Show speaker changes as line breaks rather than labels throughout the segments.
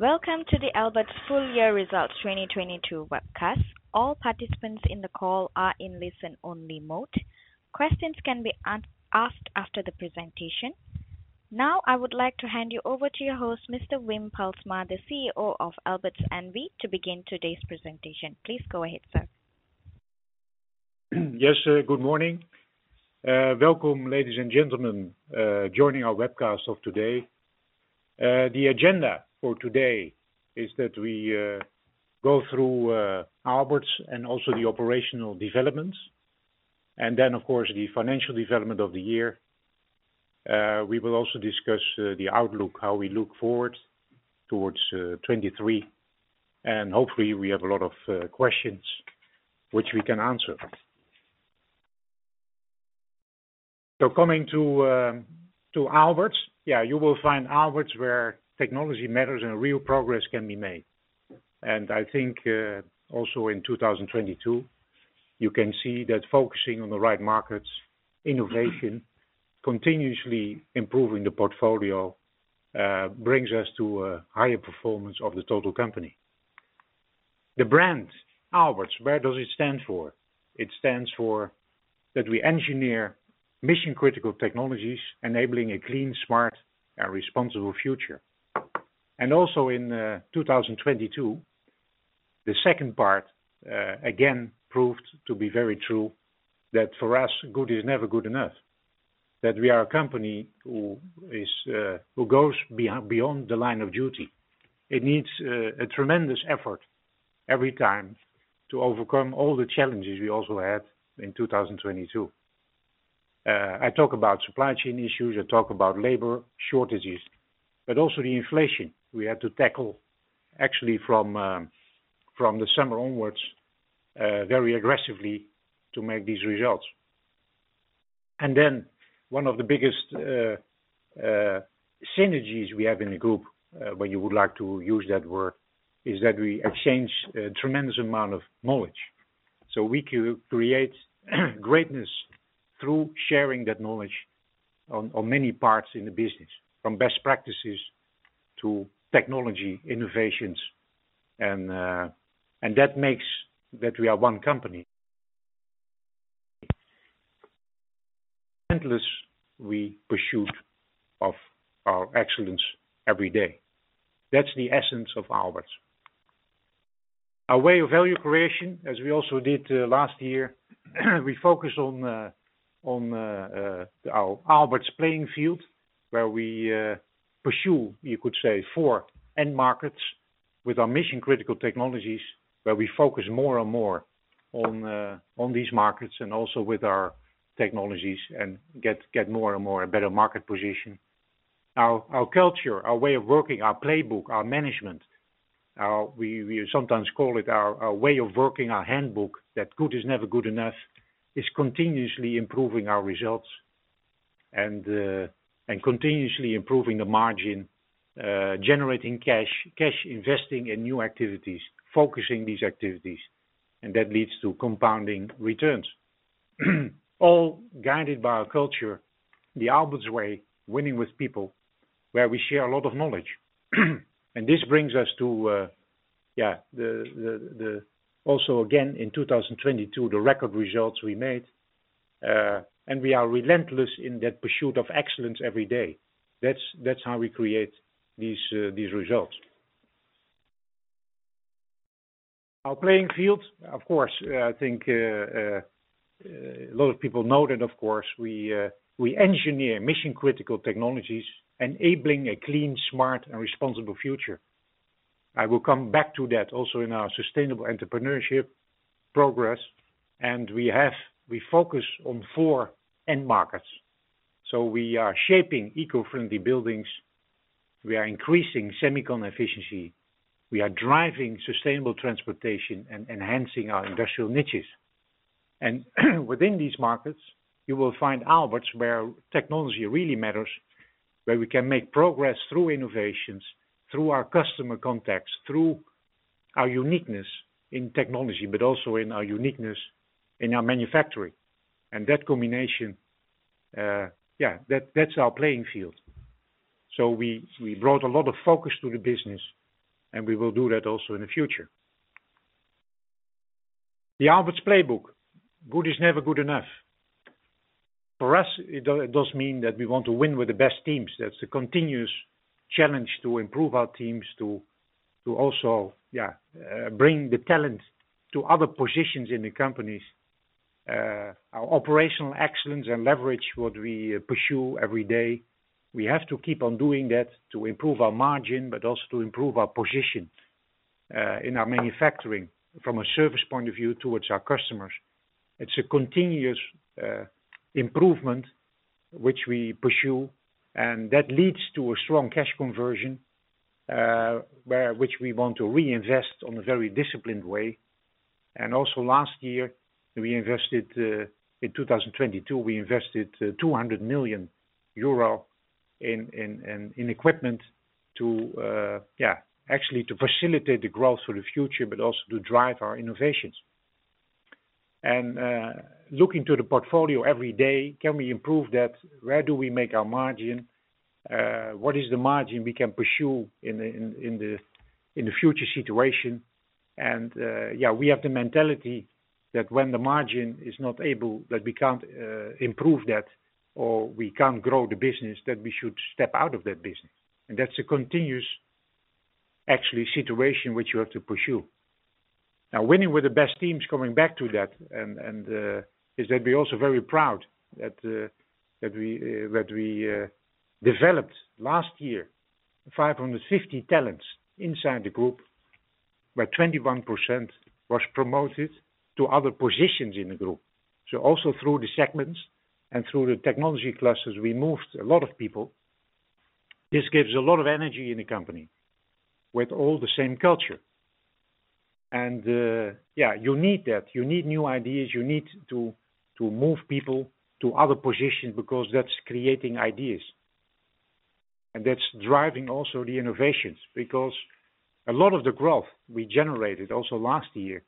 Welcome to the Aalberts Full Year Results 2022 webcast. All participants in the call are in listen only mode. Questions can be asked after the presentation. Now I would like to hand you over to your host, Mr. Wim Pelsma, the CEO of Aalberts N.V. to begin today's presentation. Please go ahead, sir.
Yes, good morning. Welcome ladies and gentlemen, joining our webcast of today. The agenda for today is that we go through Aalberts and also the operational developments, and then of course, the financial development of the year. We will also discuss the outlook, how we look forward towards 2023, and hopefully we have a lot of questions which we can answer. Coming to Aalberts. Yeah, you will find Aalberts where technology matters and real progress can be made. I think, also in 2022, you can see that focusing on the right markets, innovation, continuously improving the portfolio, brings us to a higher performance of the total company. The brand Aalberts, where does it stand for? It stands for that we engineer mission-critical technologies enabling a clean, smart, and responsible future. Also in 2022, the second part, again, proved to be very true that for us, good is never good enough. We are a company who is, who goes beyond the line of duty. It needs a tremendous effort every time to overcome all the challenges we also had in 2022. I talk about supply chain issues, I talk about labor shortages, but also the inflation we had to tackle actually from the summer onwards, very aggressively to make these results. One of the biggest synergies we have in the group, when you would like to use that word, is that we exchange a tremendous amount of knowledge. We could create greatness through sharing that knowledge on many parts in the business, from best practices to technology, innovations, and that makes that we are one company. Endless we pursuit of our excellence every day. That's the essence of Aalberts. Our way of value creation, as we also did last year, we focus on our Aalberts playing field, where we pursue, you could say four end markets with our mission critical technologies, where we focus more and more on these markets and also with our technologies and get more and more a better market position. Our culture, our way of working, our playbook, our management, our... We sometimes call it our way of working, our handbook, that good is never good enough, is continuously improving our results and continuously improving the margin, generating cash investing in new activities, focusing these activities, and that leads to compounding returns. All guided by our culture, the Aalberts Way, winning with people, where we share a lot of knowledge. This brings us to, yeah, the also again, in 2022, the record results we made, and we are relentless in that pursuit of excellence every day. That's, that's how we create these results. Our playing field, of course, I think a lot of people know that of course, we engineer mission-critical technologies enabling a clean, smart, and responsible future. I will come back to that also in our sustainable entrepreneurship progress. We focus on four end markets. We are shaping eco-friendly buildings. We are increasing semicon efficiency. We are driving sustainable transportation and enhancing our industrial niches. Within these markets, you will find Aalberts, where technology really matters, where we can make progress through innovations, through our customer contacts, through our uniqueness in technology, but also in our uniqueness in our manufacturing. That combination, that's our playing field. We, we brought a lot of focus to the business, and we will do that also in the future. The Aalberts playbook. Good is never good enough. For us, it does mean that we want to win with the best teams. That's a continuous challenge to improve our teams to also bring the talent to other positions in the companies. Our operational excellence and leverage what we pursue every day. We have to keep on doing that to improve our margin, but also to improve our position in our manufacturing from a service point of view towards our customers. It's a continuous improvement which we pursue, and that leads to a strong cash conversion, which we want to reinvest on a very disciplined way. Also last year, we invested in 2022, we invested 200 million euro in equipment to actually to facilitate the growth for the future, but also to drive our innovations. Looking to the portfolio every day, can we improve that? Where do we make our margin? What is the margin we can pursue in the future situation? Yeah, we have the mentality that when the margin is not able, that we can't, improve that or we can't grow the business, that we should step out of that business. That's a continuous, actually, situation which you have to pursue. Winning with the best teams, coming back to that and, is that we're also very proud that we developed last year 550 talents inside the group, where 21% was promoted to other positions in the group. Also through the segments and through the technology clusters, we moved a lot of people. This gives a lot of energy in the company with all the same culture. Yeah, you need that. You need new ideas. You need to move people to other positions because that's creating ideas. That's driving also the innovations, because a lot of the growth we generated also last year,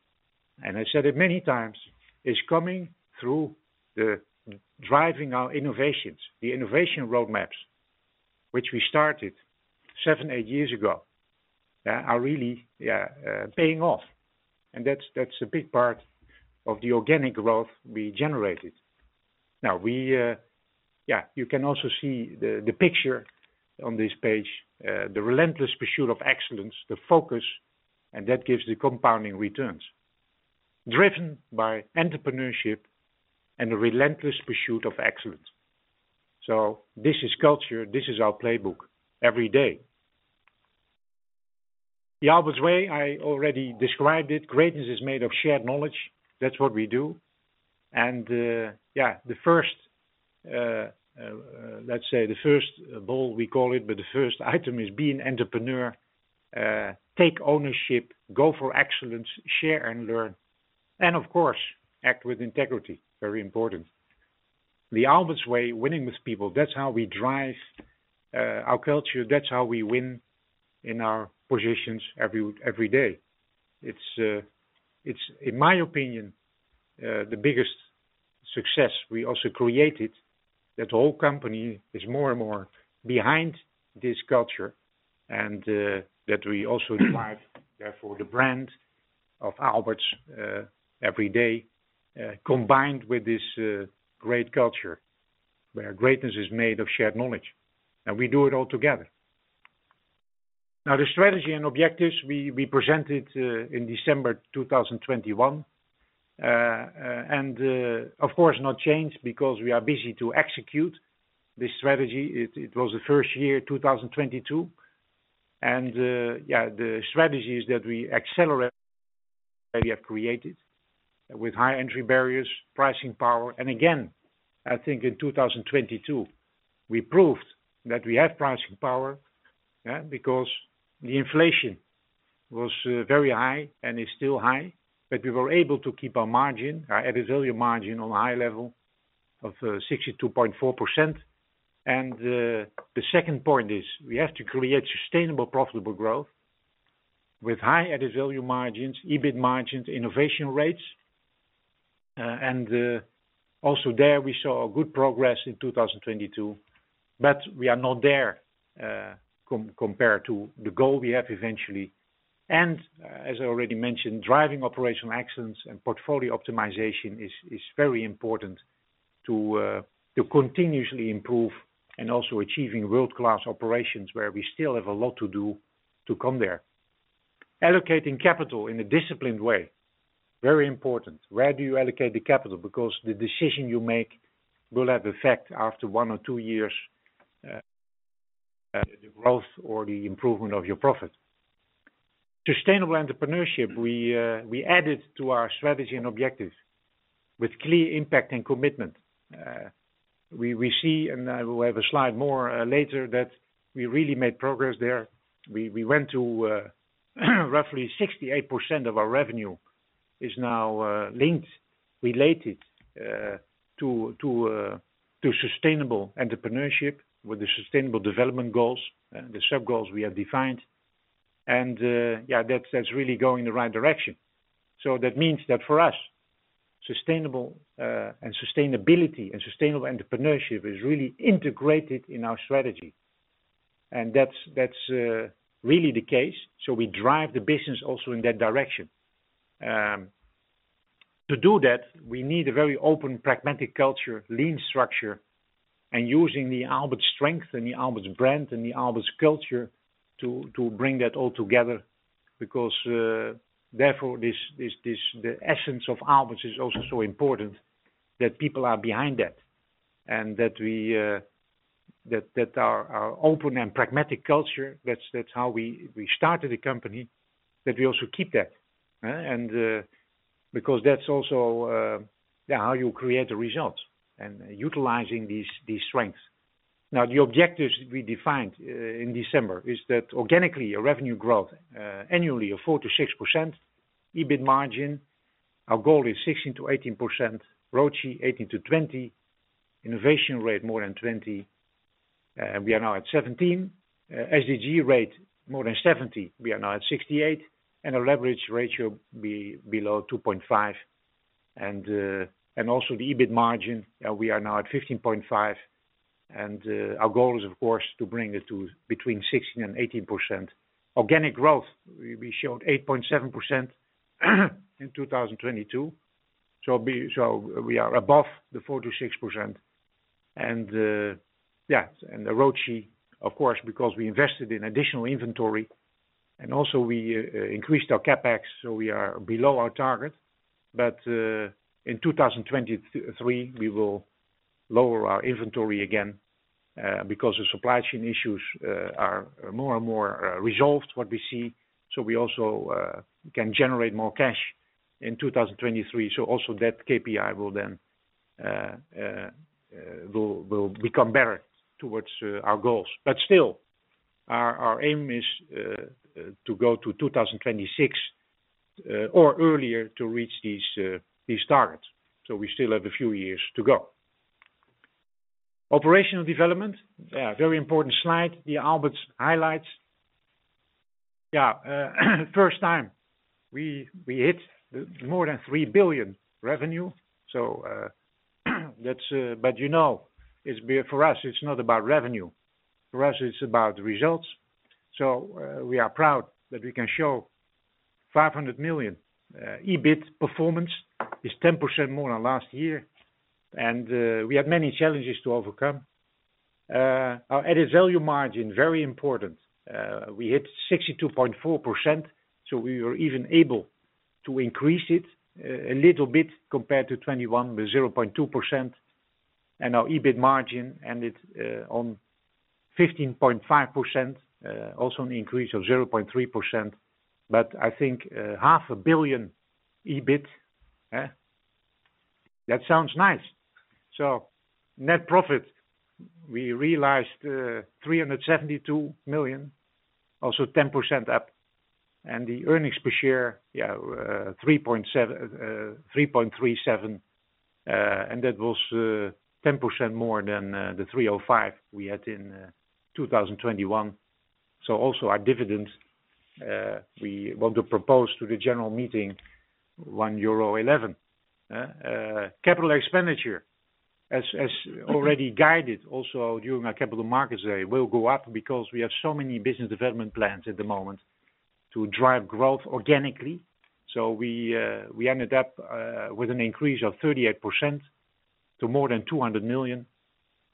and I said it many times, is coming through the driving our innovations. The innovation roadmaps, which we started seven, eight years ago, are really paying off. That's a big part of the organic growth we generated. We, you can also see the picture on this page, the relentless pursuit of excellence, the focus, and that gives the compounding returns. Driven by entrepreneurship and the relentless pursuit of excellence. This is culture. This is our playbook every day. The Aalberts way, I already described it. Greatness is made of shared knowledge. That's what we do. Yeah, the first, let's say the first ball, we call it, but the first item is be an entrepreneur, take ownership, go for excellence, share and learn, and of course, act with integrity. Very important. The Aalberts way, winning with people, that's how we drive our culture. That's how we win in our positions every day. It's, it's in my opinion, the biggest success we also created, that the whole company is more and more behind this culture and that we also drive, therefore, the brand of Aalberts every day, combined with this great culture, where greatness is made of shared knowledge. We do it all together. Now, the strategy and objectives we presented in December 2021, and, of course, not changed because we are busy to execute this strategy. It was the first year, 2022. Yeah, the strategy is that we accelerate value created with high entry barriers, pricing power. Again, I think in 2022, we proved that we have pricing power, yeah, because the inflation was very high and is still high, but we were able to keep our margin, our added value margin on a high level of 62.4%. The second point is we have to create sustainable, profitable growth with high added value margins, EBIT margins, innovation rates. Also there, we saw a good progress in 2022, but we are not there compared to the goal we have eventually. As I already mentioned, driving operational excellence and portfolio optimization is very important to continuously improve and also achieving world-class operations, where we still have a lot to do to come there. Allocating capital in a disciplined way, very important. Where do you allocate the capital? The decision you make will have effect after one or two years, the growth or the improvement of your profit. Sustainable entrepreneurship, we added to our strategy and objectives with clear impact and commitment. We see, I will have a slide more later, that we really made progress there. We went to roughly 68% of our revenue is now linked, related to Sustainable Development Goals, the sub goals we have defined. Yeah, that's really going the right direction. That means that for us, sustainable and sustainability and sustainable entrepreneurship is really integrated in our strategy. That's really the case. We drive the business also in that direction. To do that, we need a very open, pragmatic culture, lean structure, and using the Aalberts strength and the Aalberts brand and the Aalberts culture to bring that all together, because therefore, this the essence of Aalberts is also so important that people are behind that. That we, that our open and pragmatic culture, that's how we started the company, that we also keep that, huh? because that's also, yeah, how you create the results and utilizing these strengths. The objectives we defined in December is that organically, a revenue growth annually of 4%-6%. EBIT margin, our goal is 16%-18%. ROCE 18%-20%. Innovation rate more than 20, we are now at 17. SDG rate more than 70, we are now at 68. A leverage ratio be below 2.5. Also the EBIT margin, we are now at 15.5% and our goal is of course to bring it to between 16% and 18%. Organic growth, we showed 8.7% in 2022. We are above the 4%-6% and the ROCE, of course, because we invested in additional inventory and also we increased our CapEx, we are below our target. In 2023, we will lower our inventory again because the supply chain issues are more and more resolved, what we see. We also can generate more cash in 2023. Also that KPI will then become better towards our goals. Still, our aim is to go to 2026 or earlier to reach these targets. We still have a few years to go. Operational development. Very important slide. The Aalberts highlights. First time we hit more than 3 billion revenue. That's. But you know, for us, it's not about revenue. For us, it's about results. We are proud that we can show 500 million EBIT performance is 10% more than last year. We had many challenges to overcome. Our added value margin, very important. We hit 62.4%, so we were even able to increase it a little bit compared to 2021 with 0.2%. Our EBIT margin ended on 15.5%, also an increase of 0.3%. I think half a billion EBIT. That sounds nice. Net profit, we realized 372 million, also 10% up. The earnings per share, yeah, 3.37. That was 10% more than 305 we had in 2021. Also our dividend, we want to propose to the general meeting 1.11 euro. CapEx, as already guided also during our capital markets day, will go up because we have so many business development plans at the moment to drive growth organically. We ended up with an increase of 38% to more than 200 million.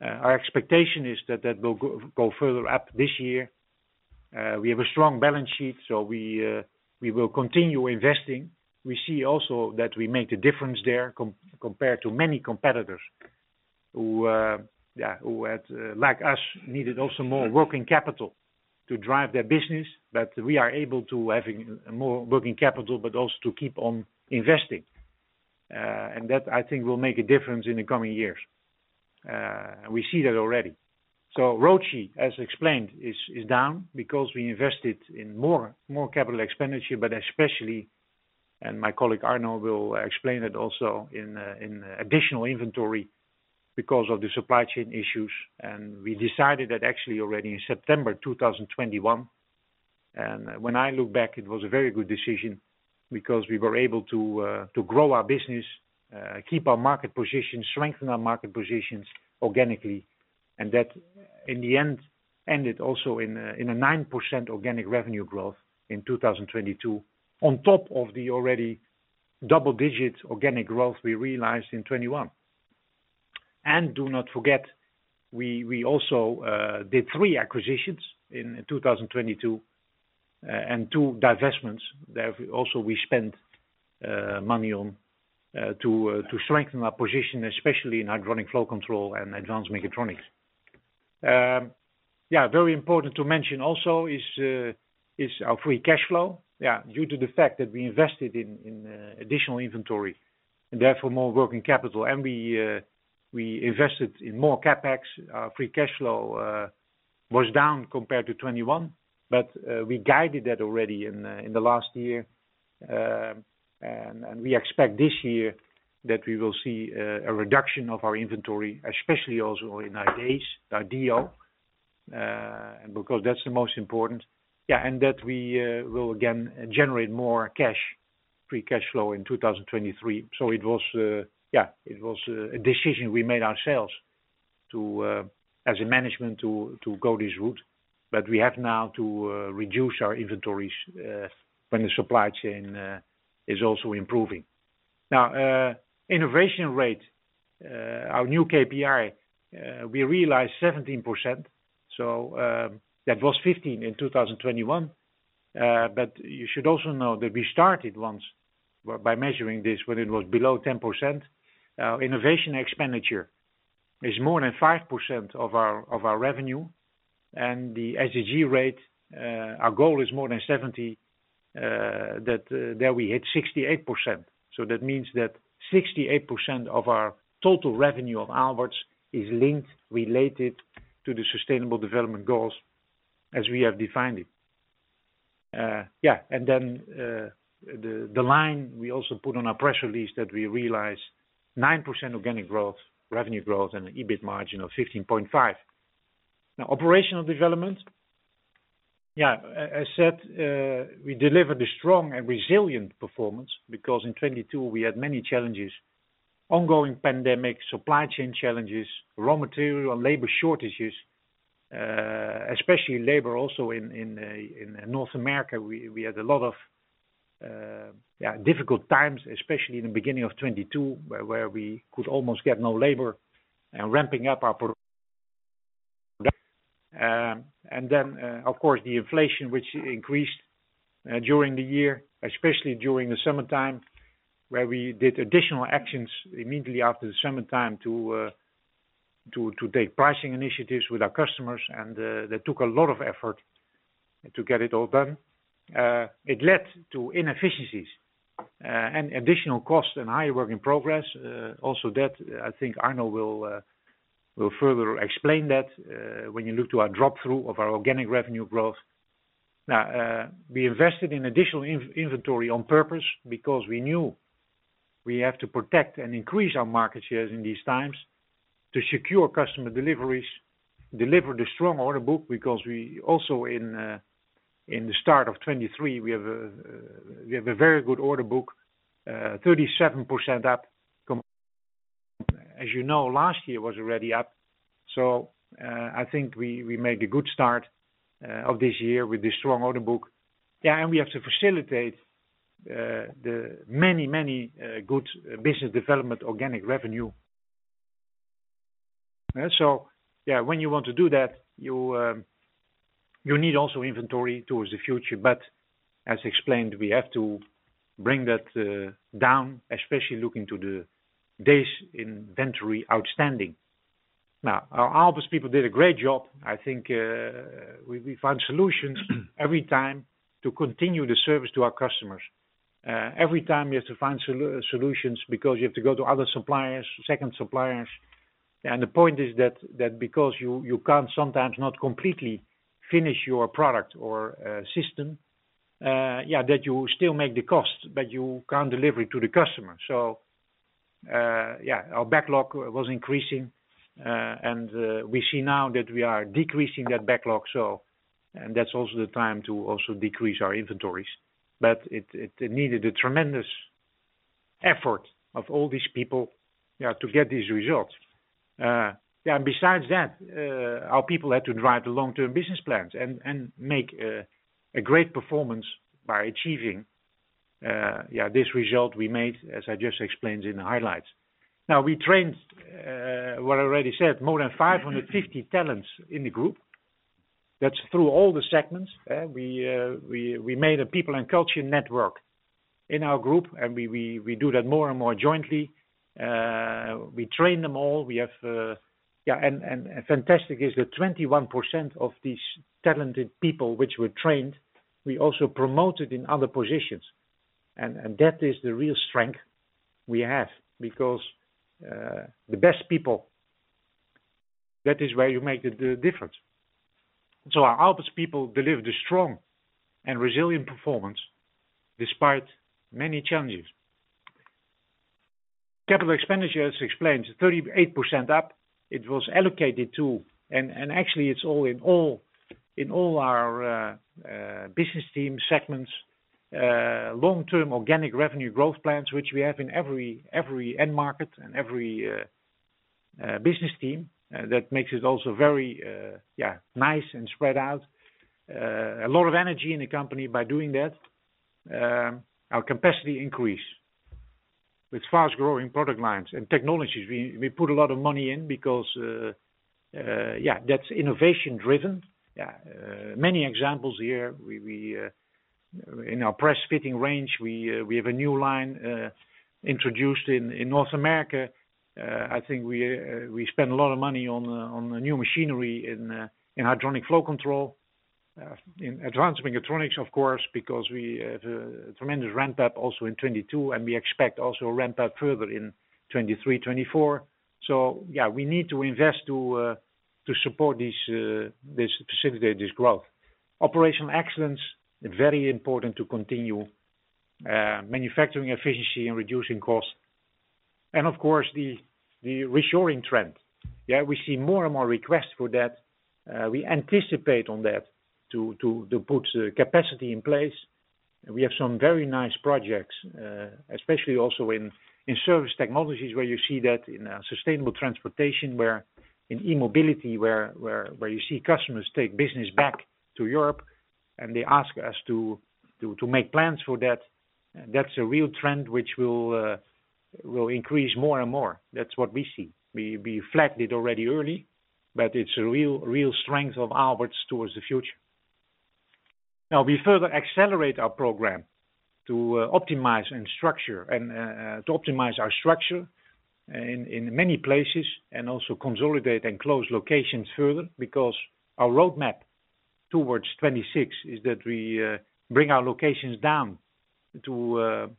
Our expectation is that that will go further up this year. We have a strong balance sheet, so we will continue investing. We see also that we made a difference there compared to many competitors who had, like us, needed also more working capital to drive their business. We are able to having more working capital, but also to keep on investing. That, I think, will make a difference in the coming years. We see that already. ROCE, as explained, is down because we invested in more capital expenditure, but especially, and my colleague Arno will explain it also in additional inventory because of the supply chain issues. We decided that actually already in September 2021. When I look back, it was a very good decision because we were able to grow our business, keep our market position, strengthen our market positions organically, and that in the end, ended also in a 9% organic revenue growth in 2022 on top of the already double-digit organic growth we realized in 2021. Do not forget, we also did three acquisitions in 2022, and 2 divestments that also we spent money on to strengthen our position, especially in hydronic flow control and advanced mechatronics. Very important to mention also is our free cash flow. Due to the fact that we invested in additional inventory and therefore more working capital, and we invested in more CapEx, free cash flow was down compared to 21, but we guided that already in the last year. We expect this year that we will see a reduction of our inventory, especially also in IDAs, DDO, and because that's the most important. That we will again generate more cash, free cash flow in 2023. It was, yeah, it was a decision we made ourselves to as a management to go this route. We have now to reduce our inventories when the supply chain is also improving. Innovation rate, our new KPI, we realized 17%. That was 15 in 2021. You should also know that we started once by measuring this when it was below 10%. Innovation expenditure is more than 5% of our revenue. The SDG rate, our goal is more than 70, that there we hit 68%. That means that 68% of our total revenue of Aalberts is linked, related to the sustainable development goals as we have defined it. The line we also put on our press release that we realized 9% organic growth, revenue growth, and an EBIT margin of 15.5. Operational development. As said, we delivered a strong and resilient performance because in 2022 we had many challenges, ongoing pandemic, supply chain challenges, raw material and labor shortages, especially labor also in North America, we had a lot of difficult times, especially in the beginning of 2022, where we could almost get no labor and ramping up our product. Of course, the inflation, which increased during the year, especially during the summertime, where we did additional actions immediately after the summertime to take pricing initiatives with our customers. That took a lot of effort to get it all done. It led to inefficiencies and additional costs and higher work in progress. Also that I think Arno Monincx will further explain that when you look to our drop-through of our organic revenue growth. We invested in additional inventory on purpose because we knew we have to protect and increase our market shares in these times to secure customer deliveries, deliver the strong order book, because we also in the start of 2023, we have a very good order book, 37% up compared. As you know, last year was already up. I think we made a good start of this year with this strong order book. We have to facilitate the many, many good business development organic revenue. When you want to do that, you need also inventory towards the future. As explained, we have to bring that down, especially looking to the days inventory outstanding. Our Aalberts people did a great job. I think we find solutions every time to continue the service to our customers. Every time you have to find solutions because you have to go to other suppliers, second suppliers. The point is that because you can't sometimes not completely finish your product or system, that you still make the cost, but you can't deliver it to the customer. Our backlog was increasing. We see now that we are decreasing that backlog. That's also the time to also decrease our inventories. It needed a tremendous effort of all these people to get these results. Besides that, our people had to drive the long-term business plans and make a great performance by achieving this result we made, as I just explained in the highlights. We trained, what I already said, more than 550 talents in the group. That's through all the segments. We made a people and culture network in our group, and we do that more and more jointly. We train them all. We have, yeah, and fantastic is that 21% of these talented people, which were trained, we also promoted in other positions. That is the real strength we have because the best people, that is where you make the difference. Our Aalberts people delivered a strong and resilient performance despite many challenges. CapEx explained 38% up. It was allocated to... actually it's all in all, in all our business team segments, long-term organic revenue growth plans, which we have in every end market and every business team. That makes it also very, yeah, nice and spread out. A lot of energy in the company by doing that. Our capacity increase with fast-growing product lines and technologies. We put a lot of money in because, yeah, that's innovation driven. Yeah, many examples here. We, in our press fitting range, we have a new line introduced in North America. I think we spend a lot of money on new machinery in hydronic flow control, in advanced mechatronics of course, because we had a tremendous ramp up also in 2022, and we expect also a ramp up further in 2023, 2024. Yeah, we need to invest to support this, facilitate this growth. Operational excellence is very important to continue manufacturing efficiency and reducing costs. Of course, the reshoring trend. Yeah, we see more and more requests for that. We anticipate on that to put the capacity in place. We have some very nice projects, especially also in surface technologies, where you see that in sustainable transportation, where in e-mobility, where you see customers take business back to Europe and they ask us to make plans for that. That's a real trend which will increase more and more. That's what we see. We flagged it already early, but it's a real strength of Aalberts towards the future. Now we further accelerate our program to optimize and structure and to optimize our structure in many places, and also consolidate and close locations further. Our roadmap towards 26 is that we bring our locations down to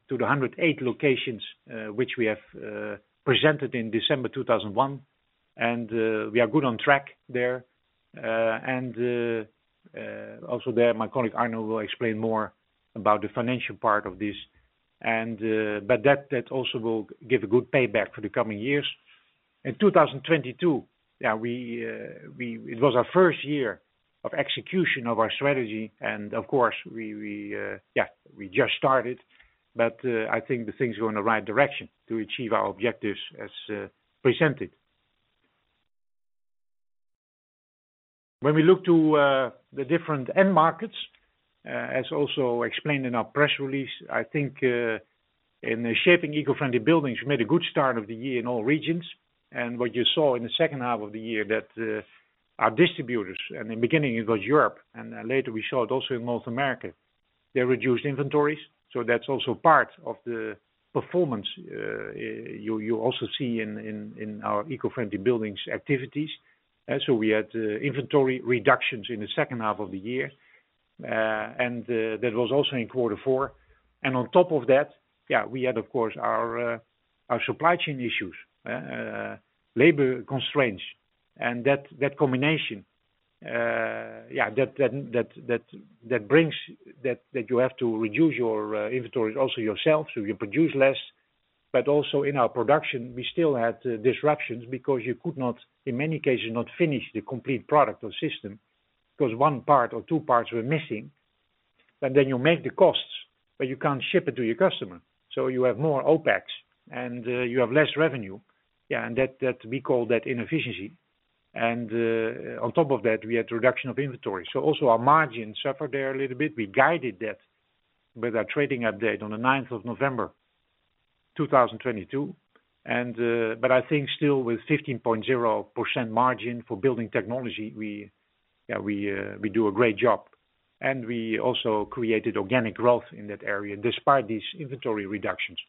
the 108 locations which we have presented in December 2001, we are good on track there. Also there, my colleague, Arnold, will explain more about the financial part of this, that also will give a good payback for the coming years. In 2022, it was our first year of execution of our strategy and of course we just started. I think the thing's going in the right direction to achieve our objectives as presented. When we look to, the different end markets, as also explained in our press release, I think, in the shaping eco-friendly buildings made a good start of the year in all regions. What you saw in the second half of the year that our distributors, in beginning it was Europe, later we saw it also in North America, they reduced inventories. That's also part of the performance, you also see in our eco-friendly buildings activities. We had inventory reductions in the second half of the year. That was also in quarter four. On top of that, we had of course our supply chain issues, labor constraints, and that combination brings that you have to reduce your inventories also yourself so you produce less. Also in our production we still had disruptions because you could not, in many cases, not finish the complete product or system, 'cause one part or two parts were missing. You make the costs, but you can't ship it to your customer, so you have more OpEx and you have less revenue. That we call that inefficiency. On top of that we had reduction of inventory. Also our margin suffered there a little bit. We guided that with our trading update on the 9th of November 2022. But I think still with 15.0% margin for building technology, we do a great job. We also created organic growth in that area despite these inventory reductions.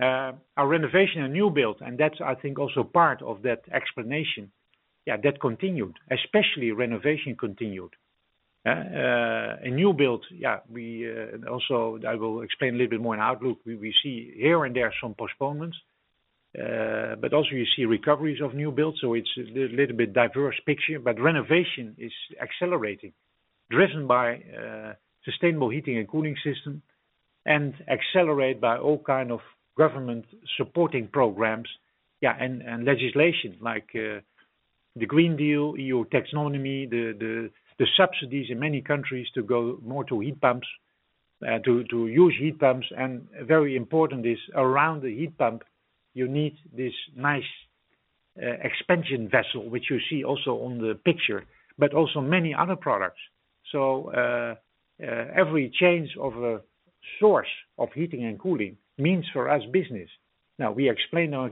Our renovation and new build, and that's I think also part of that explanation. That continued, especially renovation continued. In new build, also I will explain a little bit more in outlook. We see here and there some postponements, but also you see recoveries of new builds, so it's a little bit diverse picture. Renovation is accelerating, driven by sustainable heating and cooling system and accelerate by all kind of government supporting programs, and legislation like the Green Deal, E.U. Taxonomy, the subsidies in many countries to go more to heat pumps, to use heat pumps. Very important is around the heat pump, you need this nice expansion vessel, which you see also on the picture, but also many other products. Every change of a source of heating and cooling means for us business. Now we explain now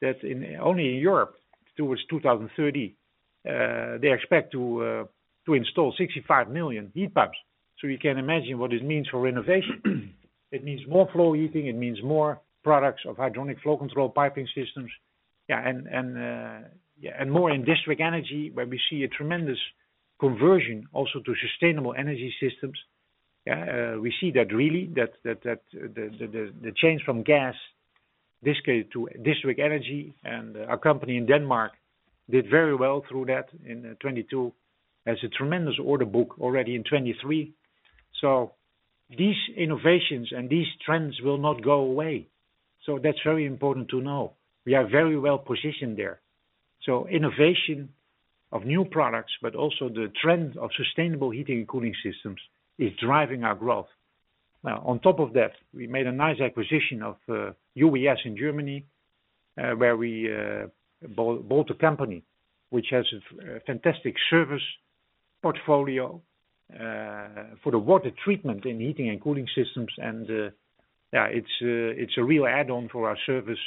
that in only in Europe towards 2030, they expect to install 65 million heat pumps. You can imagine what it means for renovation. It means more flow heating, it means more products of hydronic flow control piping systems. More in district energy where we see a tremendous conversion also to sustainable energy systems. We see that really the change from gas this case to district energy and our company in Denmark did very well through that in 2022 as a tremendous order book already in 2023. These innovations and these trends will not go away. That's very important to know. We are very well positioned there. Innovation of new products, but also the trend of sustainable heating and cooling systems is driving our growth. On top of that, we made a nice acquisition of UWS in Germany, where we bought a company which has a fantastic service portfolio for the water treatment in heating and cooling systems. Yeah, it's a real add-on for our service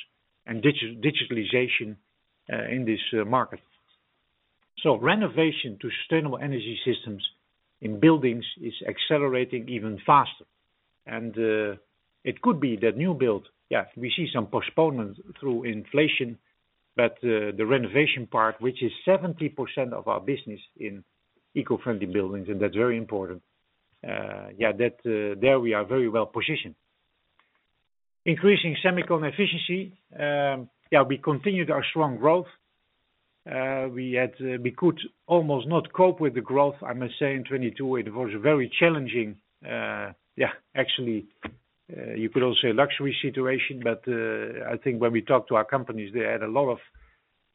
and digitalization in this market. Renovation to sustainable energy systems in buildings is accelerating even faster. It could be the new build. Yeah, we see some postponements through inflation, but the renovation part, which is 70% of our business in eco-friendly buildings and that's very important, yeah, that there we are very well positioned. Increasing semicon efficiency. Yeah, we continued our strong growth. We had, we could almost not cope with the growth, I must say in 2022 it was very challenging. Actually, you could also say luxury situation. I think when we talk to our companies, they had a lot of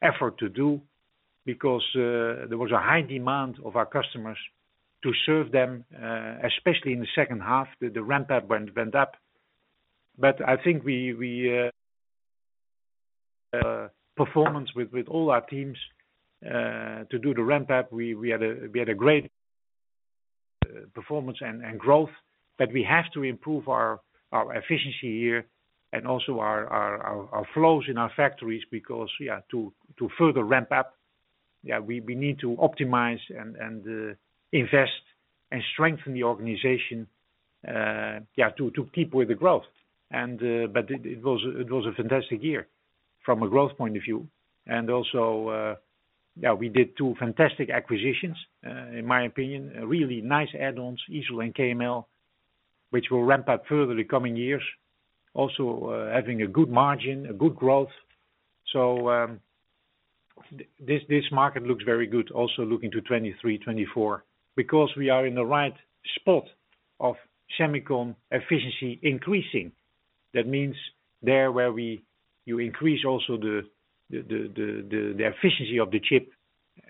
effort to do because there was a high demand of our customers to serve them, especially in the second half the ramp up went up. I think we performance with all our teams to do the ramp up. We had a great performance and growth. We have to improve our efficiency here and also our flows in our factories because we are to further ramp up. We need to optimize and invest and strengthen the organization, to keep with the growth. But it was a fantastic year. From a growth point of view, and also, we did 2 fantastic acquisitions, in my opinion, really nice add-ons, easily in KML, which will ramp up further the coming years. Also, having a good margin, a good growth. This market looks very good, also look into 2023, 2024 because we are in the right spot of semicon efficiency increasing. That means there where you increase also the efficiency of the chip,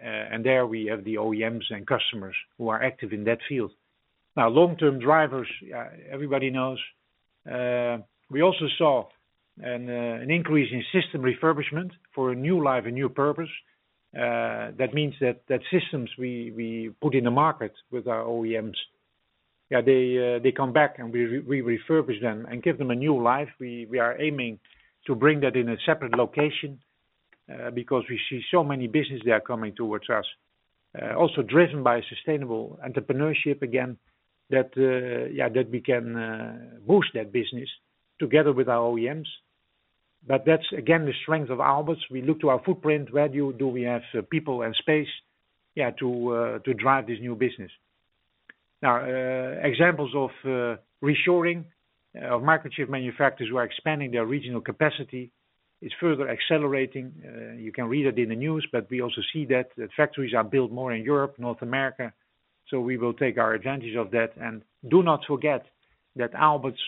and there we have the OEMs and customers who are active in that field. Long-term drivers, everybody knows. We also saw an increase in system refurbishment for a new life, a new purpose. That means that systems we put in the market with our OEMs. Yeah, they come back, and we refurbish them and give them a new life. We are aiming to bring that in a separate location because we see so many business they are coming towards us. Also driven by sustainable entrepreneurship again that, yeah, that we can boost that business together with our OEMs. That's, again, the strength of Aalberts. We look to our footprint, where do we have people and space, yeah, to drive this new business? Examples of reshoring of microchip manufacturers who are expanding their regional capacity is further accelerating. You can read it in the news, but we also see that the factories are built more in Europe, North America, so we will take our advantage of that. Do not forget that Aalberts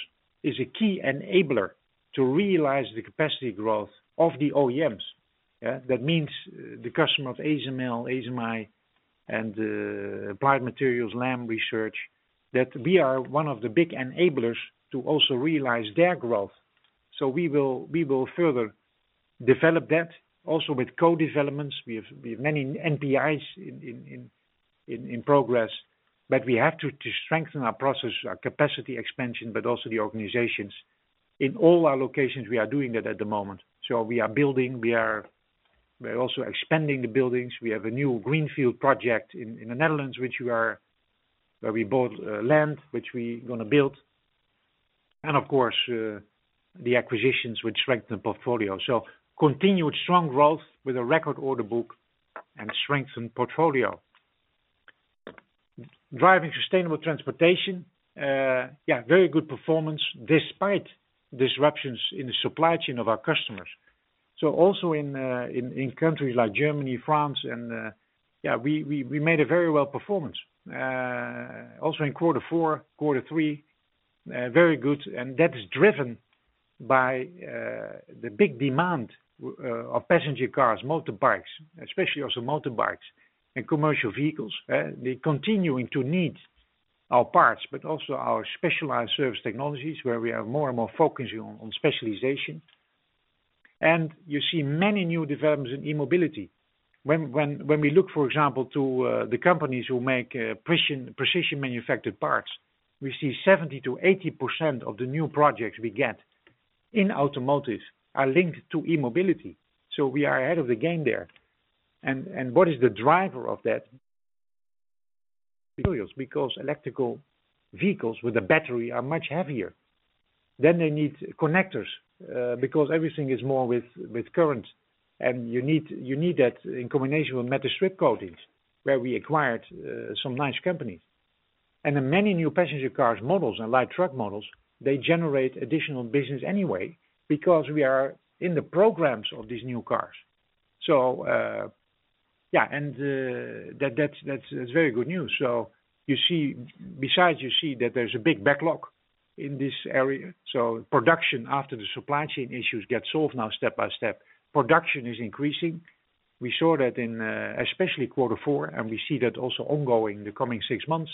is a key enabler to realize the capacity growth of the OEMs. That means the customer of ASML, ASMI, and Applied Materials, Lam Research, that we are one of the big enablers to also realize their growth. We will further develop that also with co-developments. We have many NPIs in progress, but we have to strengthen our process, our capacity expansion, but also the organizations. In all our locations, we are doing that at the moment. We are building, we are also expanding the buildings. We have a new greenfield project in the Netherlands, where we bought land, which we gonna build. Of course, the acquisitions which strengthen the portfolio. Continued strong growth with a record order book and strengthened portfolio. Driving sustainable transportation. Very good performance despite disruptions in the supply chain of our customers. Also in countries like Germany, France, and we made a very well performance. Also in Q4, Q3, very good, and that is driven by the big demand of passenger cars, motorbikes, especially also motorbikes and commercial vehicles. They're continuing to need our parts, but also our specialized surface technologies where we are more and more focusing on specialization. You see many new developments in e-mobility. When we look, for example, to the companies who make precision manufactured parts, we see 70% to 80% of the new projects we get in automotive are linked to e-mobility. We are ahead of the game there. What is the driver of that? Materials, because electric vehicles with a battery are much heavier. They need connectors, because everything is more with current. You need that in combination with metal strip coatings, where we acquired some nice companies. The many new passenger cars models and light truck models, they generate additional business anyway because we are in the programs of these new cars. Yeah, that's very good news. You see-- Besides, you see that there's a big backlog in this area. Production after the supply chain issues get solved now step by step, production is increasing. We saw that in especially quarter four, and we see that also ongoing the coming 6 months.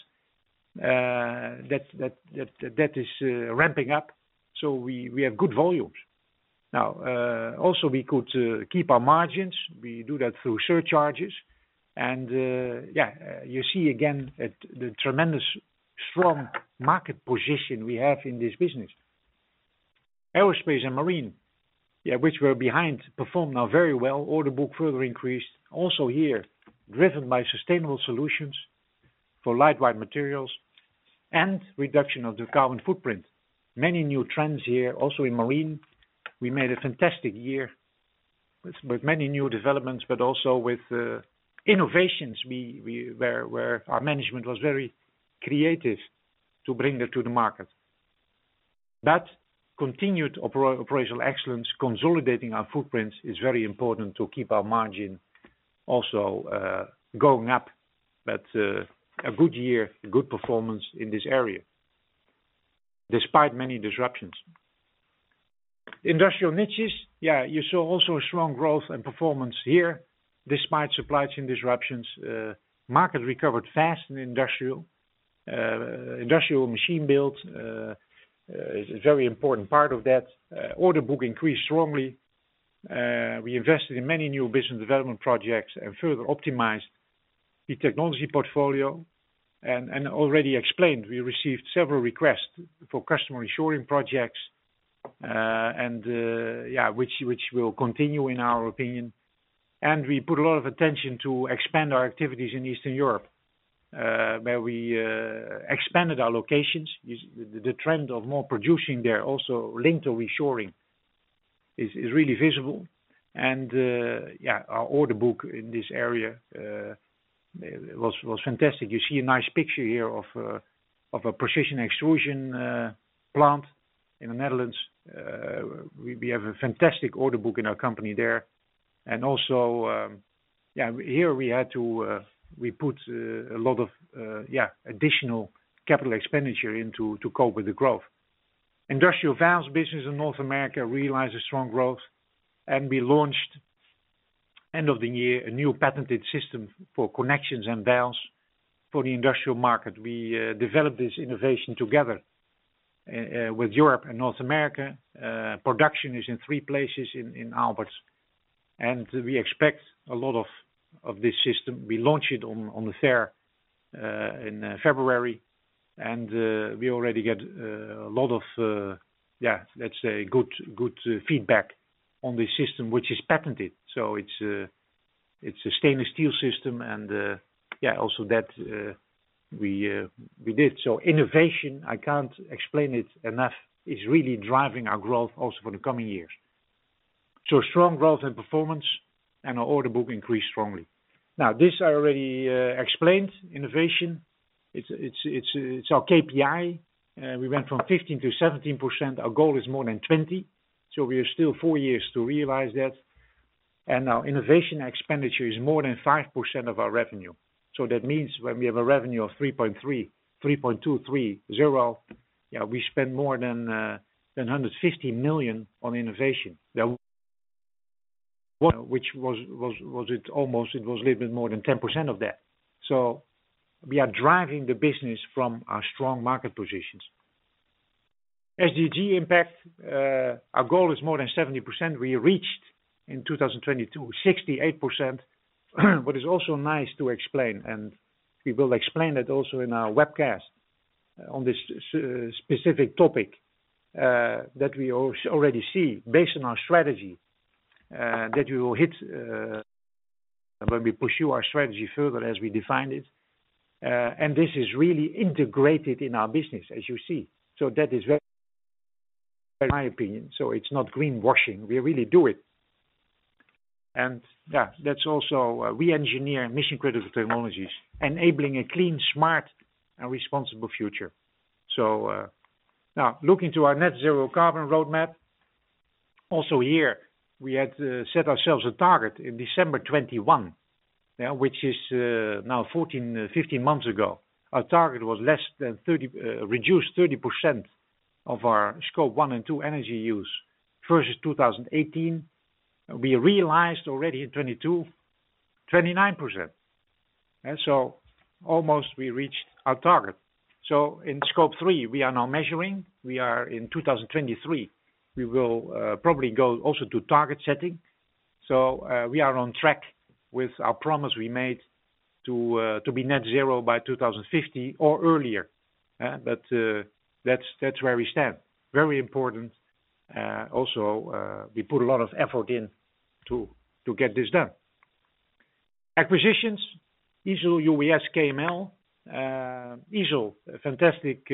That is ramping up, so we have good volumes. Also we could keep our margins. We do that through surcharges. You see again at the tremendous strong market position we have in this business. Aerospace and marine, which were behind, perform now very well. Order book further increased, also here, driven by sustainable solutions for lightweight materials and reduction of the carbon footprint. Many new trends here, also in marine. We made a fantastic year with many new developments, but also with innovations where our management was very creative to bring it to the market. That continued operational excellence, consolidating our footprints, is very important to keep our margin also going up. A good year, a good performance in this area, despite many disruptions. Industrial niches. You saw also a strong growth and performance here despite supply chain disruptions. Market recovered fast in industrial. Industrial machine build is a very important part of that. Order book increased strongly. We invested in many new business development projects and further optimized the technology portfolio. Already explained, we received several requests for customer reshoring projects, which will continue in our opinion. We put a lot of attention to expand our activities in Eastern Europe, where we expanded our locations. The trend of more producing there also linked to reshoring is really visible. Our order book in this area was fantastic. You see a nice picture here of a precision extrusion plant in the Netherlands. We have a fantastic order book in our company there. Here we had to, we put a lot of additional capital expenditure into to cope with the growth. Industrial valves business in North America realized a strong growth, and we launched, end of the year, a new patented system for connections and valves for the industrial market. We developed this innovation together with Europe and North America. Production is in three places in Aalberts, and we expect a lot of this system. We launch it on the fair in February, and we already get a lot of, let's say good feedback on the system, which is patented. It's a stainless steel system and also that we did. Innovation, I can't explain it enough, is really driving our growth also for the coming years. Strong growth and performance and our order book increased strongly. This I already explained, innovation. It's our KPI. We went from 15% to 17%. Our goal is more than 20, we are still 4 years to realize that. Our innovation expenditure is more than 5% of our revenue. That means when we have a revenue of 3.3, 3.230, yeah, we spend more than 150 million on innovation. Which was it almost, it was a little bit more than 10% of that. We are driving the business from our strong market positions. SDG impact, our goal is more than 70%. We reached, in 2022, 68%. It's also nice to explain, and we will explain it also in our webcast on this specific topic, that we already see based on our strategy, that we will hit, when we pursue our strategy further as we defined it. This is really integrated in our business, as you see. That is very, in my opinion, it's not greenwashing. We really do it. Yeah, that's also we engineer mission-critical technologies, enabling a clean, smart and responsible future. Now looking to our net zero carbon roadmap, also here we had set ourselves a target in December 2021. Which is now 14, 15 months ago. Our target was less than 30, reduced 30% of our Scope 1 and 2 energy use versus 2018. We realized already in 2022, 29%. Almost we reached our target. In Scope 3, we are now measuring. We are in 2023, we will probably go also to target setting. We are on track with our promise we made to be net zero by 2050 or earlier. That's where we stand. Very important. Also, we put a lot of effort in to get this done. Acquisitions, ISEL, UWS, KML. ISEL, a fantastic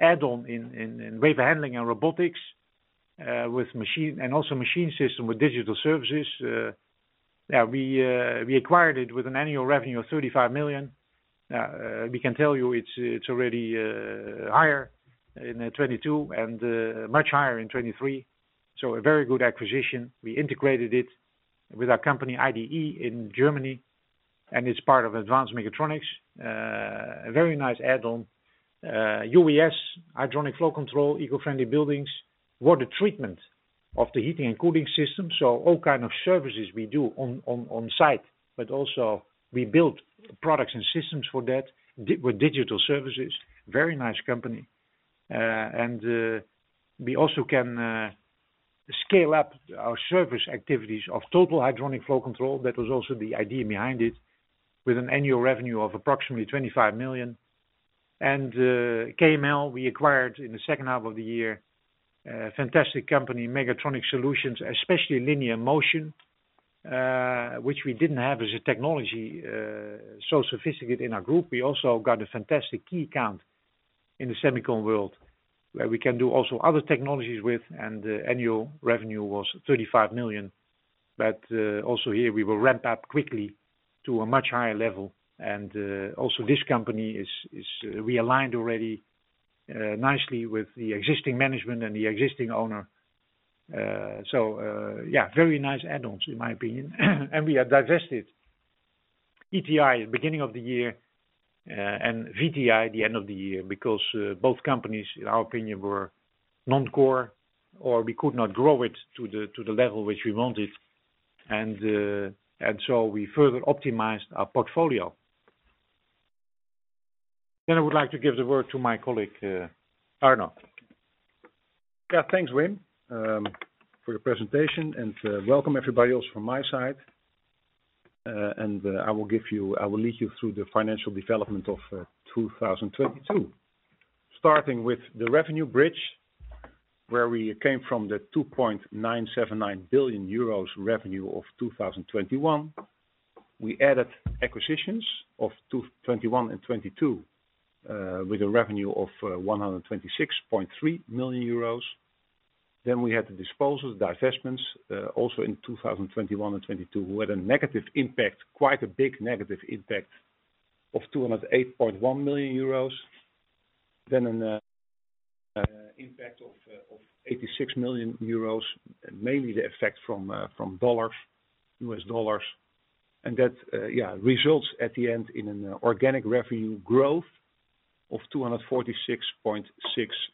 add-on in way of handling our robotics, with machine and also machine system with digital services. Yeah, we acquired it with an annual revenue of 35 million. We can tell you it's already higher in 2022 and much higher in 2023. A very good acquisition. We integrated it with our company IDE in Germany, and it's part of advanced mechatronics. A very nice add-on. UWS, hydronic flow control, eco-friendly buildings, water treatment of the heating and cooling system. All kind of services we do on site, but also we build products and systems for that with digital services. Very nice company. We also can scale up our service activities of total hydronic flow control. That was also the idea behind it with an annual revenue of approximately 25 million. KML, we acquired in the second half of the year, fantastic company, mechatronic solutions, especially linear motion, which we didn't have as a technology, so sophisticated in our group. We also got a fantastic key account in the semicon world, where we can do also other technologies with. The annual revenue was 35 million. Also here we will ramp up quickly to a much higher level. Also this company is realigned already nicely with the existing management and the existing owner. Yeah, very nice add-ons in my opinion. We have divested ETI at the beginning of the year and VTI at the end of the year, because both companies, in our opinion, were non-core, or we could not grow it to the level which we wanted. We further optimized our portfolio. I would like to give the word to my colleague, Arno.
Thanks, Wim, for your presentation, and welcome everybody else from my side. I will lead you through the financial development of 2022. Starting with the revenue bridge. Where we came from the 2.979 billion euros revenue of 2021. We added acquisitions of 2021 and 2022 with a revenue of 126.3 million euros. We had the disposals, divestments, also in 2021 and 2022, who had a negative impact, quite a big negative impact of 208.1 million euros. An impact of 86 million euros, mainly the effect from dollars, U.S. dollars. That results at the end in an organic revenue growth of 246.6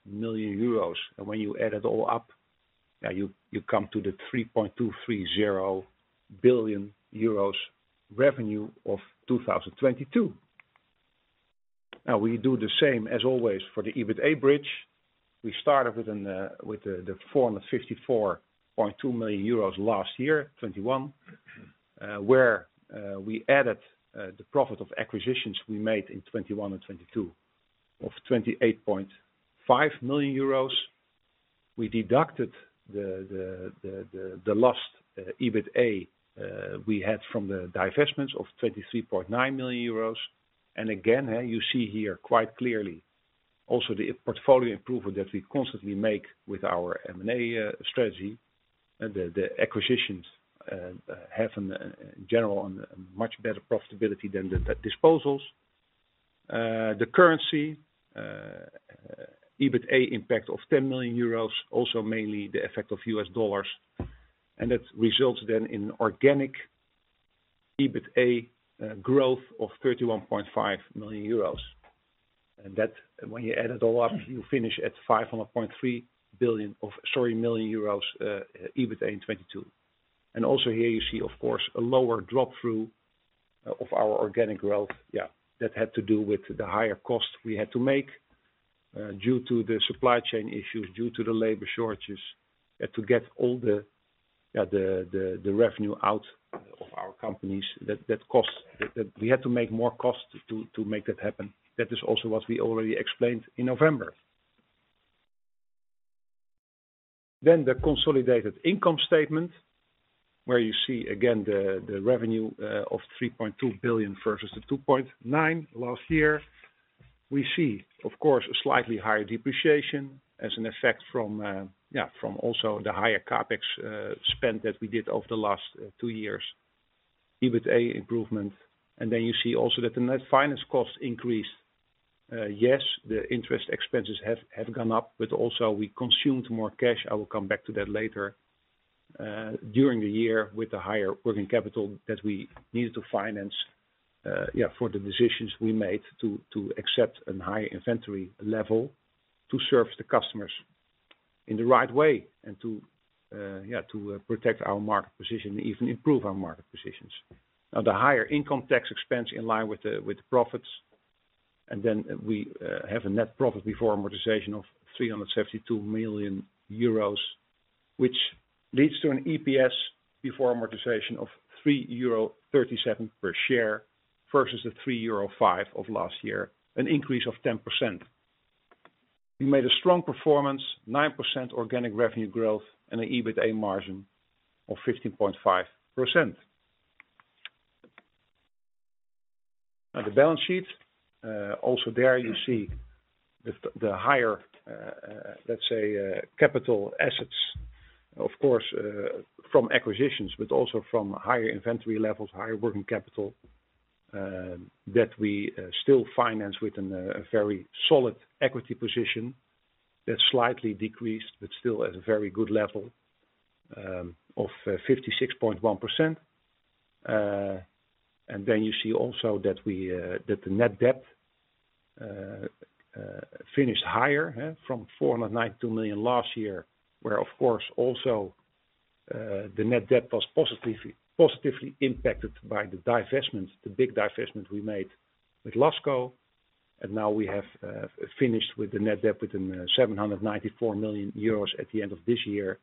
million euros. When you add it all up, you come to the 3.230 billion euros revenue of 2022. We do the same as always for the EBITA bridge. We started with the 454.2 million euros last year, 2021, where we added the profit of acquisitions we made in 2021 and 2022 of 28.5 million euros. We deducted the last EBITA we had from the divestments of 23.9 million euros. Again, you see here quite clearly also the portfolio improvement that we constantly make with our M&A strategy. The acquisitions have in general a much better profitability than the disposals. The currency EBITA impact of 10 million euros, also mainly the effect of US dollars. That results then in organic EBITA growth of 31.5 million euros. That when you add it all up, you finish at 500.3 million euros EBITA in 2022. Also here you see of course a lower drop through of our organic growth, yeah, that had to do with the higher cost we had to make, due to the supply chain issues, due to the labor shortages, to get all the revenue out of our companies. That cost, we had to make more cost to make that happen. That is also what we already explained in November. The consolidated income statement, where you see again the revenue of 3.2 billion versus 2.9 billion last year. We see, of course, a slightly higher depreciation as an effect from also the higher CapEx spend that we did over the last two years. EBITA improvement. You see also that the net finance costs increased. Yes, the interest expenses have gone up, but also we consumed more cash. I will come back to that later during the year with the higher working capital that we needed to finance for the decisions we made to accept a higher inventory level to serve the customers in the right way and to protect our market position, even improve our market positions. The higher income tax expense in line with the profits, we have a net profit before amortization of 372 million euros, which leads to an EPS before amortization of €3.37 per share versus the €3.5 of last year, an increase of 10%. We made a strong performance, 9% organic revenue growth and a EBITA margin of 15.5%. The balance sheet, also there you see the higher, let's say, capital assets, of course, from acquisitions, but also from higher inventory levels, higher working capital, that we still finance with a very solid equity position that slightly decreased, but still at a very good level, of 56.1%. Then you see also that we that the net debt finished higher from 492 million last year, where of course also the net debt was positively impacted by the divestments, the big divestment we made with Lasco. We have finished with the net debt within 794 million euros at the end of this year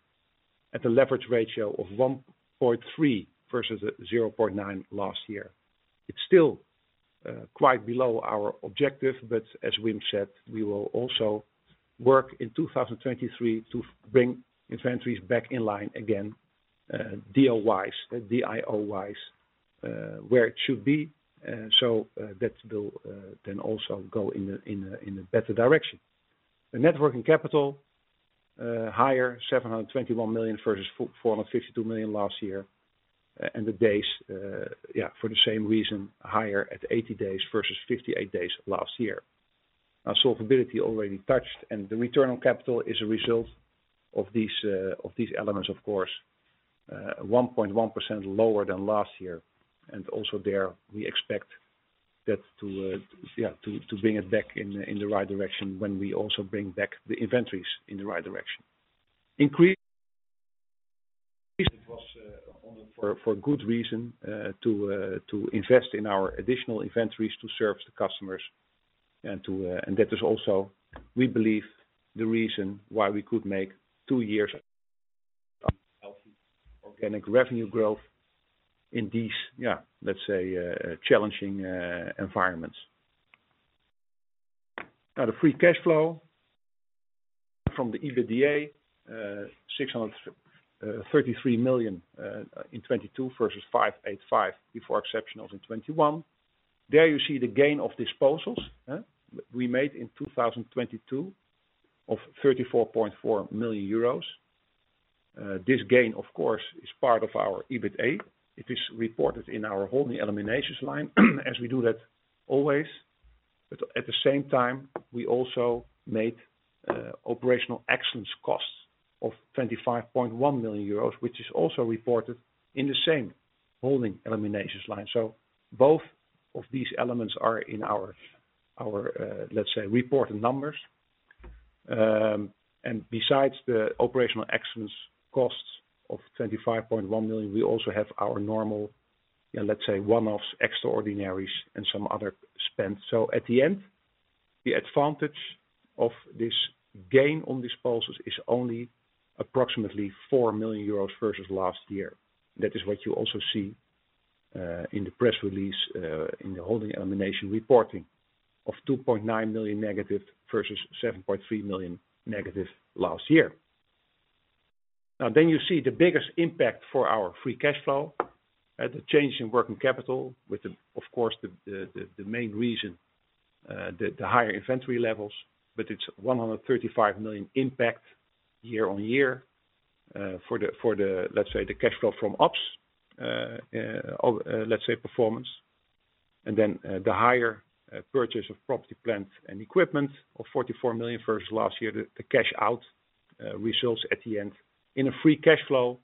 at a leverage ratio of 1.3 versus 0.9 last year. It's still quite below our objective, but as Wim said, we will also work in 2023 to bring inventories back in line again, DIO-wise, DIO-wise, where it should be. That will then also go in a better direction. The net working capital, higher, 721 million versus 452 million last year. The days, for the same reason, higher at 80 days versus 58 days last year. Now, solvability already touched, and the return on capital is a result of these elements, of course. 1.1% lower than last year. Also there we expect that to bring it back in the right direction when we also bring back the inventories in the right direction. Increase was only for good reason to invest in our additional inventories to serve the customers, and that is also, we believe, the reason why we could make two years organic revenue growth in these, let's say, challenging environments. Now the free cash flow from the EBITDA, 633 million in 2022 versus 585 before exceptionals in 2021. There you see the gain of disposals, huh, we made in 2022 of 34.4 million euros. This gain, of course, is part of our EBITA. It is reported in our holding eliminations line as we do that always. At the same time, we also made operational excellence costs of 25.1 million euros, which is also reported in the same holding eliminations line. Both of these elements are in our, let's say, reported numbers. Besides the operational excellence costs of 25.1 million, we also have our normal, let's say, one-offs, extraordinaries, and some other spend. At the end, the advantage of this gain on disposals is only approximately 4 million euros versus last year. That is what you also see in the press release in the holding elimination reporting of 2.9 million negative versus 7.3 million negative last year. You see the biggest impact for our free cash flow, at the change in working capital, with the, of course, the main reason, the higher inventory levels, but it's 135 million impact year-on-year for the, let's say, the cash flow from ops or, let's say, performance. The higher purchase of property, plant, and equipment of 44 million versus last year, the cash out results at the end in a free cash flow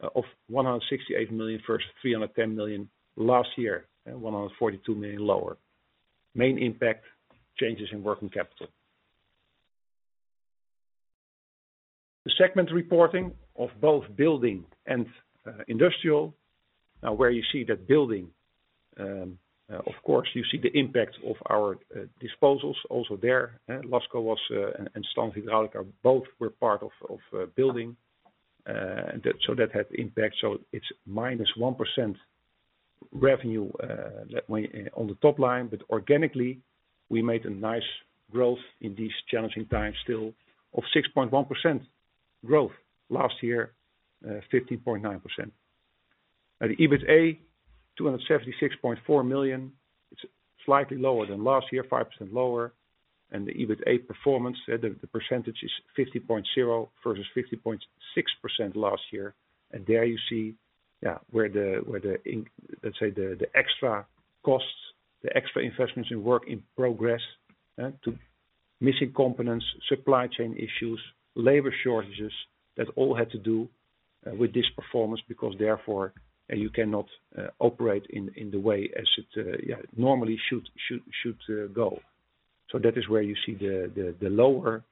of 168 million versus 310 million last year, and 142 million lower. Main impact, changes in working capital. The segment reporting of both building and industrial, now where you see that building, of course, you see the impact of our disposals also there. Lasco and Standard Hidraulica both were part of building. That had impact. It's -1% revenue that way on the top line. Organically, we made a nice growth in these challenging times still of 6.1% growth last year, 15.9%. At the EBITA, 276.4 million, it's slightly lower than last year, 5% lower. The EBITA performance, the percentage is 50.0% versus 50.6% last year. There you see, yeah, where the, let's say the extra costs, the extra investments in work in progress, to missing components, supply chain issues, labor shortages, that all had to do with this performance, because therefore, you cannot operate in the way as it, yeah, normally should go. That is where you see the lower,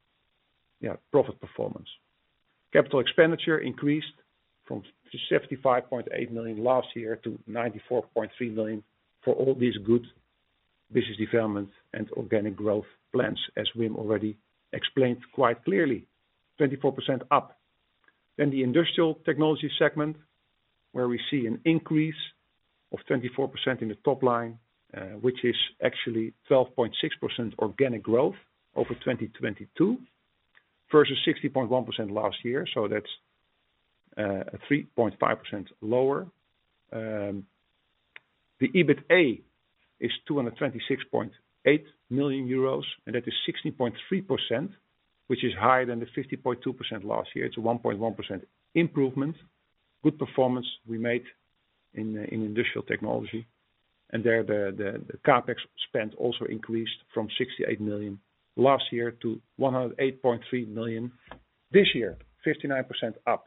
yeah, profit performance. CapEx increased from 75.8 million last year to 94.3 million for all these good business development and organic growth plans, as Wim already explained quite clearly, 24% up. The industrial technology segment, where we see an increase of 24% in the top line, which is actually 12.6% organic growth over 2022 versus 60.1% last year. That's 3.5% lower. The EBITA is 226.8 million euros, and that is 16.3%, which is higher than the 50.2% last year. It's 1.1% improvement. Good performance we made in industrial technology. There the CapEx spend also increased from 68 million last year to 108.3 million this year, 59% up.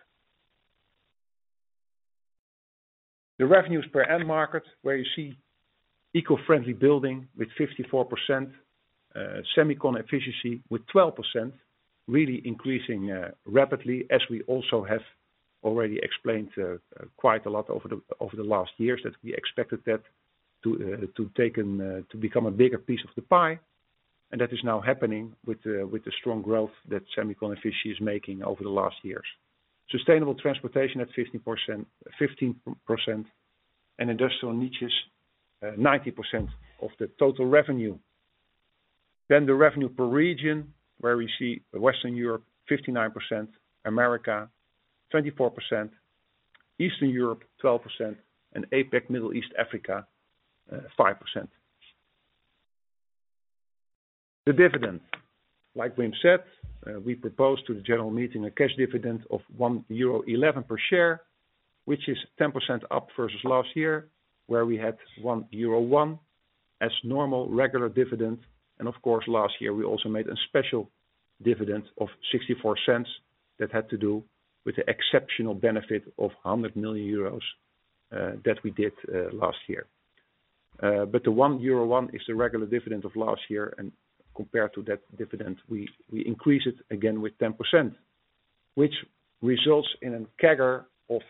The revenues per end market, where you see eco-friendly building with 54%, semicon efficiency with 12%, really increasing rapidly, as we also have already explained quite a lot over the, over the last years, that we expected that to take an to become a bigger piece of the pie. That is now happening with the, with the strong growth that semicon efficiency is making over the last years. sustainable transportation at 15% and industrial niches 90% of the total revenue. The revenue per region, where we see Western Europe 59%, America 24%, Eastern Europe 12%, and APAC, Middle East, Africa, 5%. The dividend, like Wim said, we propose to the general meeting a cash dividend of 1.11 euro per share, which is 10% up versus last year, where we had 1.01 euro as normal, regular dividend. Of course, last year, we also made a special dividend of 0.64 that had to do with the exceptional benefit of 100 million euros that we did last year. The 1.01 euro is the regular dividend of last year, and compared to that dividend, we increase it again with 10%, which results in a CAGR of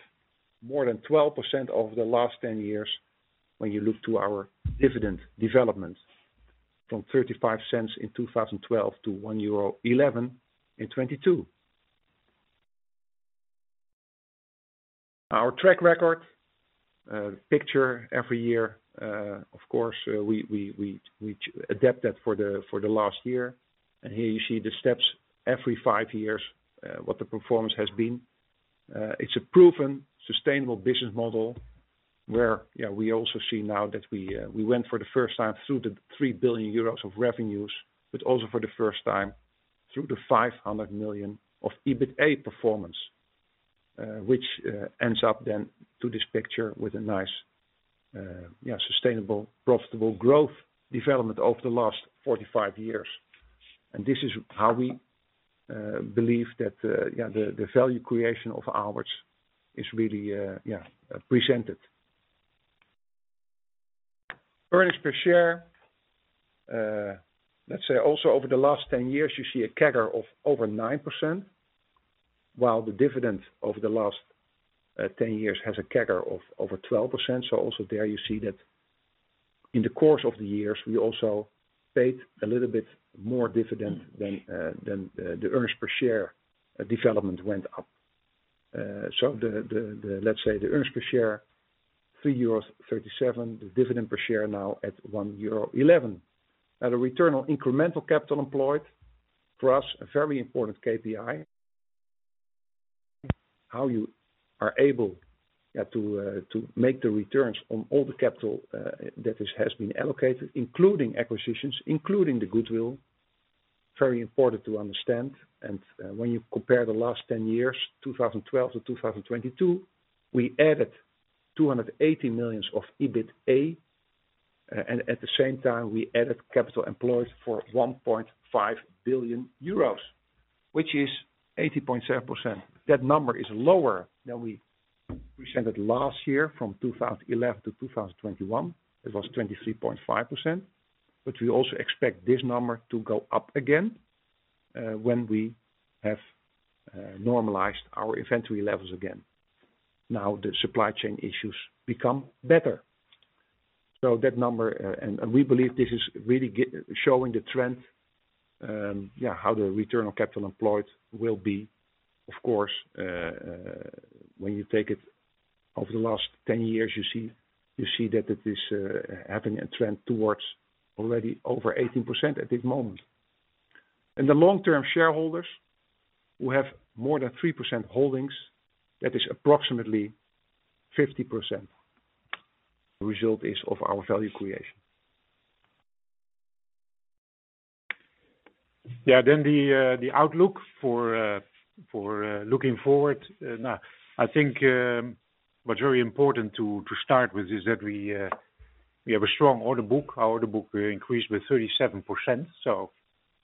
more than 12% over the last 10 years when you look to our dividend development. From 0.35 in 2012 to 1.11 euro in 2022. Our track record, picture every year, of course, we adapt that for the last year. Here you see the steps every 5 years, what the performance has been. It's a proven sustainable business model where we also see now that we went for the first time through the 3 billion euros of revenues, but also for the first time through the 500 million of EBITA performance, which ends up then to this picture with a nice, sustainable, profitable growth development over the last 45 years. This is how we believe that the value creation of Aalberts is really presented. Earnings per share, let's say also over the last 10 years you see a CAGR of over 9%, while the dividend over the last 10 years has a CAGR of over 12%. Also there you see that in the course of the years, we also paid a little bit more dividend than than the earnings per share development went up. The, let's say the earnings per share, 3.37 euros, the dividend per share now at 1.11 euro. At a return on incremental capital employed, for us, a very important KPI. How you are able, yeah, to to make the returns on all the capital that has been allocated, including acquisitions, including the goodwill, very important to understand. When you compare the last 10 years, 2012 to 2022, we added 280 million of EBITA, and at the same time we added capital employed for 1.5 billion euros, which is 80.7%. That number is lower than we presented last year from 2011 to 2021. It was 23.5%. We also expect this number to go up again, when we have normalized our inventory levels again. The supply chain issues become better. That number, and we believe this is really showing the trend, how the return on capital employed will be. Of course, when you take it over the last 10 years, you see that it is having a trend towards already over 18% at this moment. The long term shareholders who have more than 3% holdings, that is approximately 50% result is of our value creation. Yeah. The outlook for looking forward. Now, I think, what's very important to start with is that we have a strong order book. Our order book increased with 37%,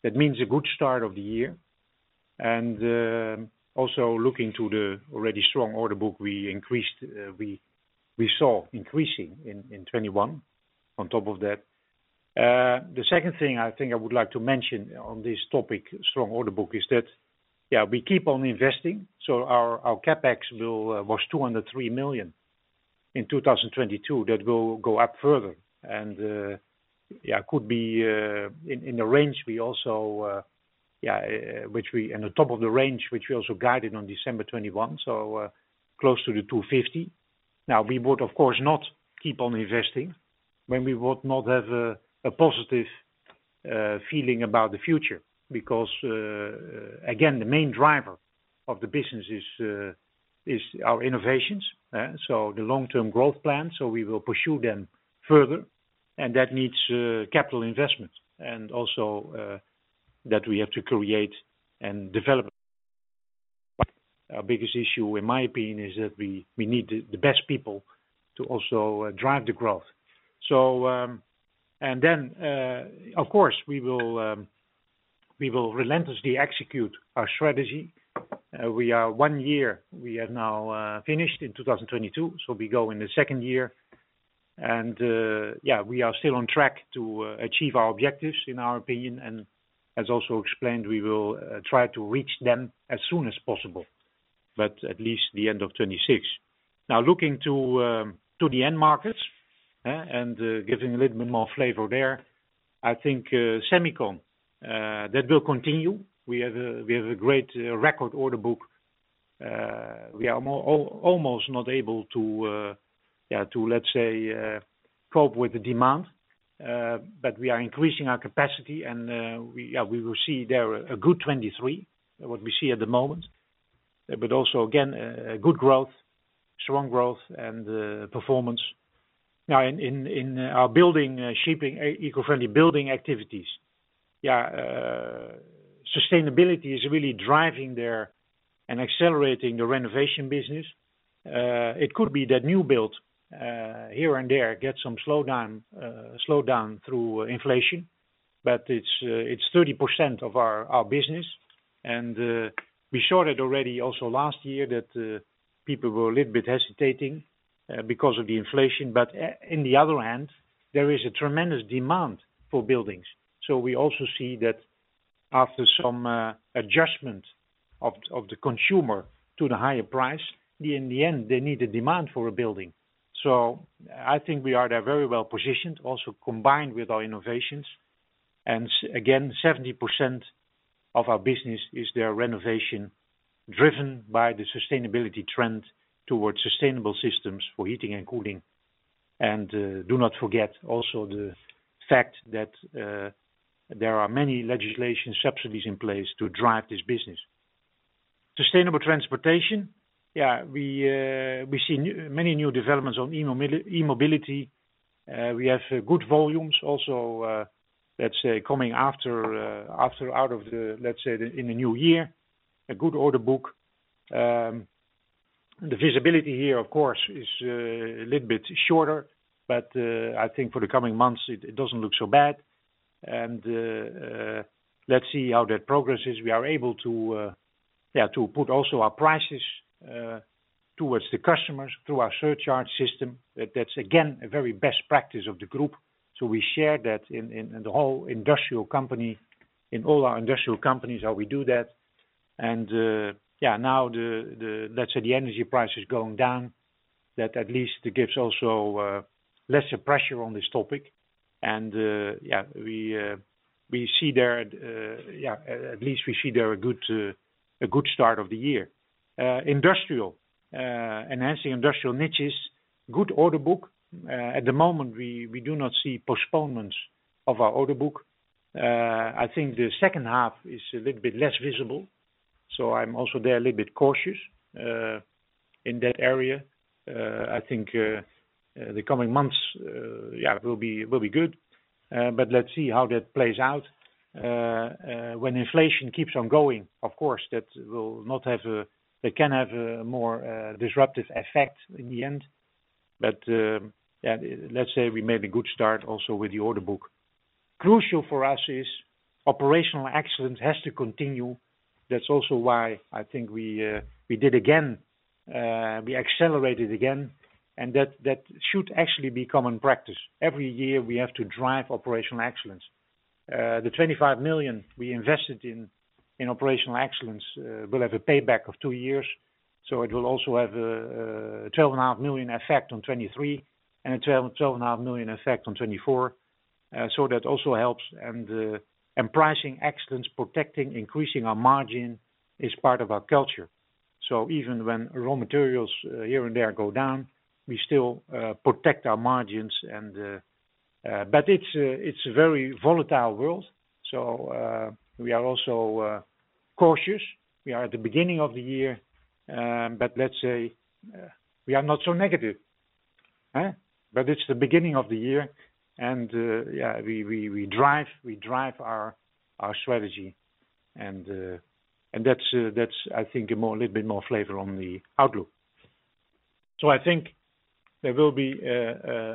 that means a good start of the year. Also looking to the already strong order book we increased, we saw increasing in 2021 on top of that. The second thing I think I would like to mention on this topic, strong order book, is that, yeah, we keep on investing. Our, our CapEx will was 203 million in 2022. That go up further. Yeah, could be in the range we also, and the top of the range, which we also guided on December 21, so close to 250. We would of course not keep on investing when we would not have a positive feeling about the future because again, the main driver of the business is our innovations. The long-term growth plan, so we will pursue them further. That needs capital investment and also that we have to create and develop. Our biggest issue in my opinion is that we need the best people to also drive the growth. Then, of course, we will relentlessly execute our strategy. We are one year, we are now finished in 2022, so we go in the second year. And, yeah, we are still on track to achieve our objectives in our opinion and as also explained, we will try to reach them as soon as possible, but at least the end of 2026. Now looking to the end markets and giving a little bit more flavor there. I think semicon that will continue. We have a great record order book. We are almost not able to, yeah, to let's say, cope with the demand. But we are increasing our capacity and we will see there a good 23, what we see at the moment. But also again, a good growth, strong growth and performance. Now in our building eco-friendly building activities, sustainability is really driving there and accelerating the renovation business. It could be that new build here and there, get some slow down, slow down through inflation, but it's 30% of our business. We showed it already also last year that people were a little bit hesitating because of the inflation. But in the other hand, there is a tremendous demand for buildings. We also see that
After some adjustment of the consumer to the higher price, in the end, they need a demand for a building. I think we are there very well positioned, also combined with our innovations. Again, 70% of our business is their renovation, driven by the sustainability trend towards sustainable systems for heating and cooling. Do not forget also the fact that there are many legislation subsidies in place to drive this business. Sustainable transportation, yeah, we see many new developments on e-mobility. We have good volumes also coming out of the in the new year, a good order book. The visibility here, of course, is a little bit shorter, but I think for the coming months it doesn't look so bad. Let's see how that progress is. We are able to, yeah, to put also our prices towards the customers through our surcharge system. That's again, a very best practice of the group. We share that in all our industrial companies, how we do that. Yeah, now the, let's say, the energy price is going down. That at least gives also lesser pressure on this topic. Yeah, we see there, yeah, at least we see there a good start of the year. Industrial, enhancing industrial niches, good order book. At the moment we do not see postponements of our order book. I think the second half is a little bit less visible, so I'm also there a little bit cautious in that area. I think the coming months will be good. But let's see how that plays out. When inflation keeps on going, of course, that will not have a. It can have a more disruptive effect in the end. But, let's say we made a good start also with the order book. Crucial for us is operational excellence has to continue. That's also why I think we did again, we accelerated again, and that should actually become a practice. Every year, we have to drive operational excellence. The 25 million we invested in operational excellence will have a payback of two years. It will also have a 12.5 million effect on 2023 and a 12.5 million effect on 2024. That also helps. Pricing excellence, protecting, increasing our margin is part of our culture. Even when raw materials here and there go down, we still protect our margins and. It's a very volatile world. We are also cautious. We are at the beginning of the year, but let's say we are not so negative, huh? It's the beginning of the year and we drive our strategy. That's I think a little bit more flavor on the outlook. I think there will be.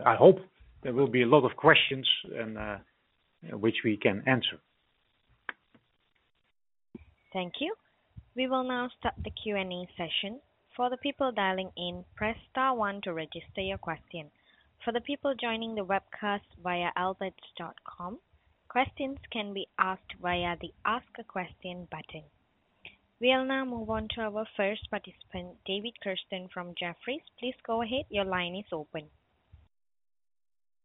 I hope there will be a lot of questions and, which we can answer.
Thank you. We will now start the Q&A session. For the people dialing in, press star one to register your question. For the people joining the webcast via aalberts.com, questions can be asked via the Ask a Question button. We'll now move on to our first participant, David Kerstens from Jefferies. Please go ahead. Your line is open.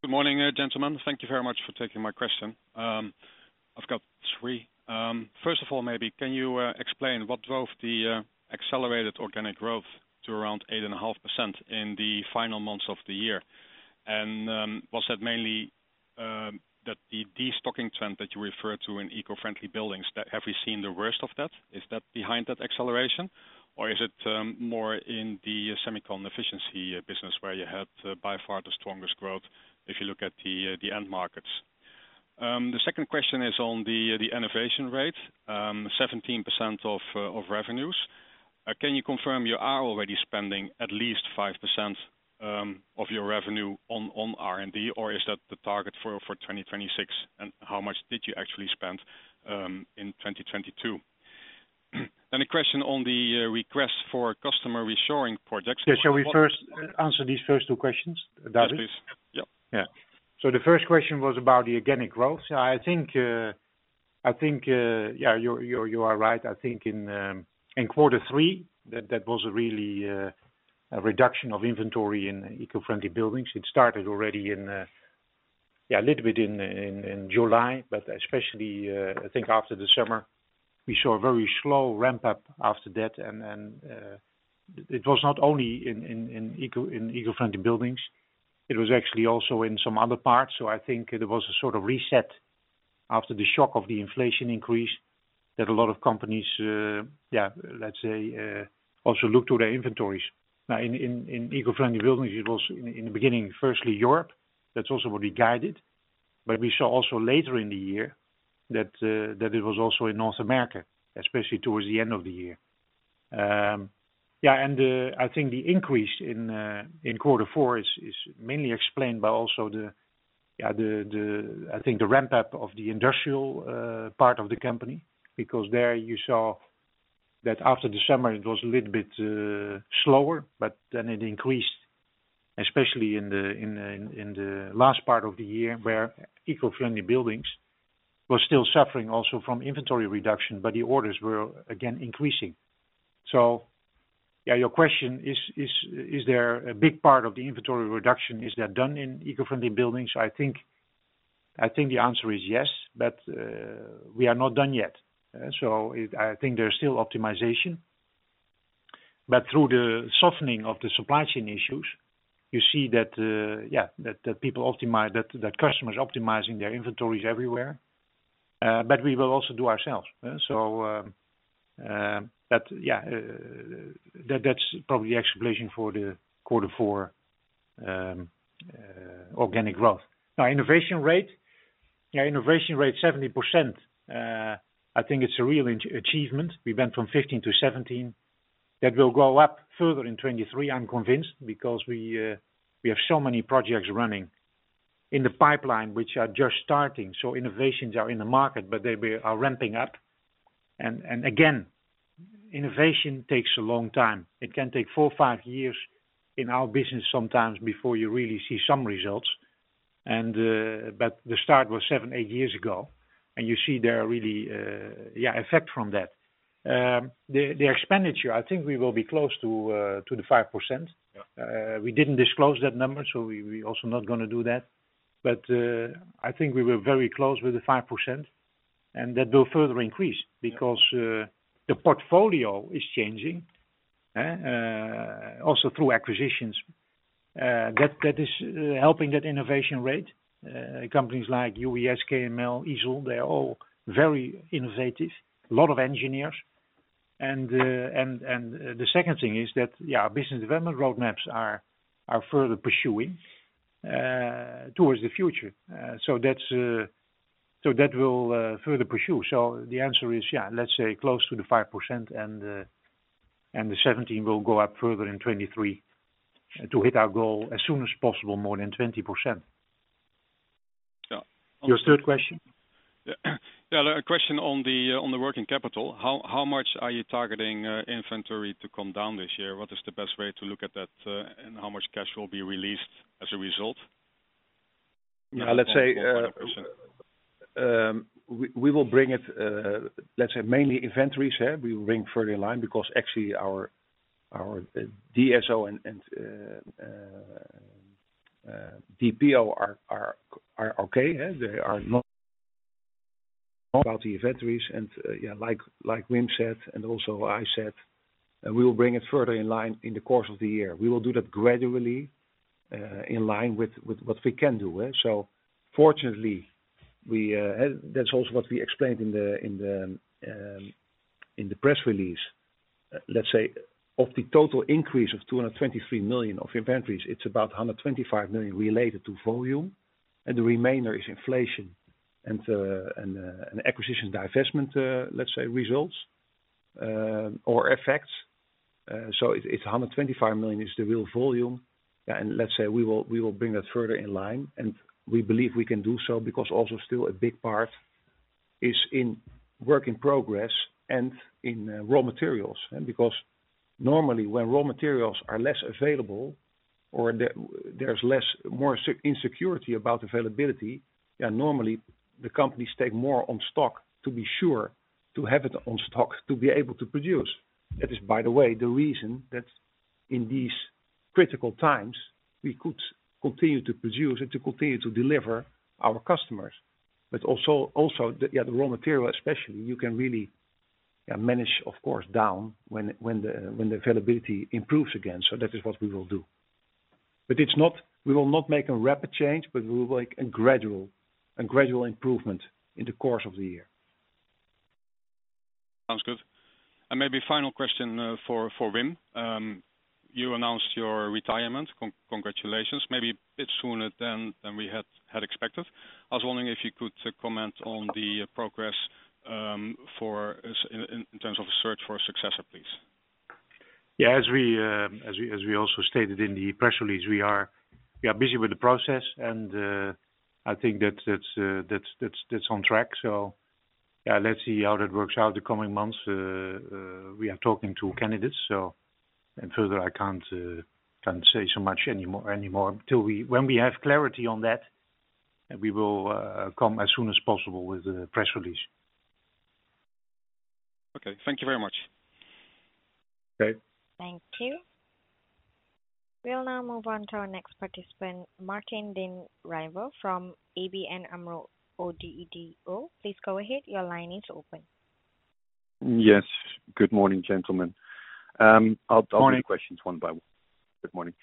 Good morning, gentlemen. Thank you very much for taking my question. I've got 3. First of all, maybe can you explain what drove the accelerated organic growth to around 8.5% in the final months of the year? Was that mainly that the destocking trend that you referred to in eco-friendly buildings, have we seen the worst of that? Is that behind that acceleration? Is it more in the semicon efficiency business where you had by far the strongest growth, if you look at the end markets? The second question is on the innovation rate, 17% of revenues. Can you confirm you are already spending at least 5% of your revenue on R&D, or is that the target for 2026? How much did you actually spend in 2022? Then a question on the request for customer reshoring projects.
Yeah. Shall we first answer these first two questions, David?
Yes, please. Yep.
Yeah. The first question was about the organic growth. I think, I think, yeah, you're, you are right. I think in quarter 3 that was really a reduction of inventory in eco-friendly buildings. It started already a little bit in July. Especially, I think after the summer. We saw a very slow ramp up after that. It was not only in eco-friendly buildings, it was actually also in some other parts. I think there was a sort of reset after the shock of the inflation increase that a lot of companies, let's say, also looked to their inventories. Now in eco-friendly buildings, it was in the beginning, firstly Europe. That's also what we guided. We saw also later in the year that it was also in North America, especially towards the end of the year. I think the increase in quarter four is mainly explained by also the ramp-up of the industrial part of the company. There you saw that after December it was a little bit slower, but then it increased
Especially in the last part of the year where eco-friendly buildings were still suffering also from inventory reduction, the orders were again increasing. Yeah, your question is there a big part of the inventory reduction, is that done in eco-friendly buildings? I think the answer is yes, but we are not done yet. I think there's still optimization. Through the softening of the supply chain issues, you see that, yeah, customers optimizing their inventories everywhere. We will also do ourselves. That, yeah, that's probably explanation for the quarter four organic growth. Innovation rate. Innovation rate 70%. I think it's a real achievement. We went from 15 to 17. That will go up further in 2023, I'm convinced, because we have so many projects running in the pipeline, which are just starting. Innovations are in the market, but they are ramping up. Again, innovation takes a long time. It can take four, five years in our business sometimes before you really see some results. The start was seven, eight years ago, and you see there are really, yeah, effect from that. The expenditure, I think we will be close to the 5%.
Yeah.
We didn't disclose that number, we also not gonna do that. I think we were very close with the 5%, and that will further increase because the portfolio is changing also through acquisitions. That is helping that innovation rate. Companies like UWS, KML, ISEL, they are all very innovative. A lot of engineers. The second thing is that, yeah, business development roadmaps are further pursuing towards the future. That's so that will further pursue. The answer is, yeah, let's say close to the 5% and the 17 will go up further in 2023 to hit our goal as soon as possible, more than 20%.
Yeah.
Your third question?
Yeah. A question on the working capital. How much are you targeting inventory to come down this year? What is the best way to look at that and how much cash will be released as a result?
Yeah, let's say, we will bring it, let's say mainly inventories, yeah, we will bring further in line because actually our DSO and DPO are okay. They are not about the inventories, yeah, like Wim said and also I said, we will bring it further in line in the course of the year. We will do that gradually in line with what we can do. Fortunately, we, that's also what we explained in the press release. Let's say, of the total increase of 223 million of inventories, it's about 125 million related to volume, and the remainder is inflation and an acquisition divestment, let's say, results or effects. so it's 125 million is the real volume. Let's say we will bring that further in line. We believe we can do so because also still a big part is in work in progress and in raw materials. Because normally, when raw materials are less available or there's more insecurity about availability, normally the companies take more on stock to be sure to have it on stock to be able to produce. That is, by the way, the reason that in these critical times we could continue to produce and to continue to deliver our customers. Also, the raw material, especially, you can really manage, of course, down when the availability improves again. That is what we will do. We will not make a rapid change, but we will make a gradual improvement in the course of the year.
Sounds good. Maybe final question, for Wim. You announced your retirement. Congratulations. Maybe a bit sooner than we had expected. I was wondering if you could comment on the progress for us in terms of search for a successor, please.
Yeah, as we also stated in the press release, we are busy with the process and I think that's on track. Yeah, let's see how that works out the coming months. We are talking to candidates, so... Further, I can't say so much anymore. When we have clarity on that, we will come as soon as possible with a press release.
Okay. Thank you very much.
Okay.
Thank you. We'll now move on to our next participant, Martijn den Reijer from ABN AMRO Oddo BHF. Please go ahead. Your line is open.
Yes. Good morning, gentlemen.
Morning.
the questions one by one. Good morning.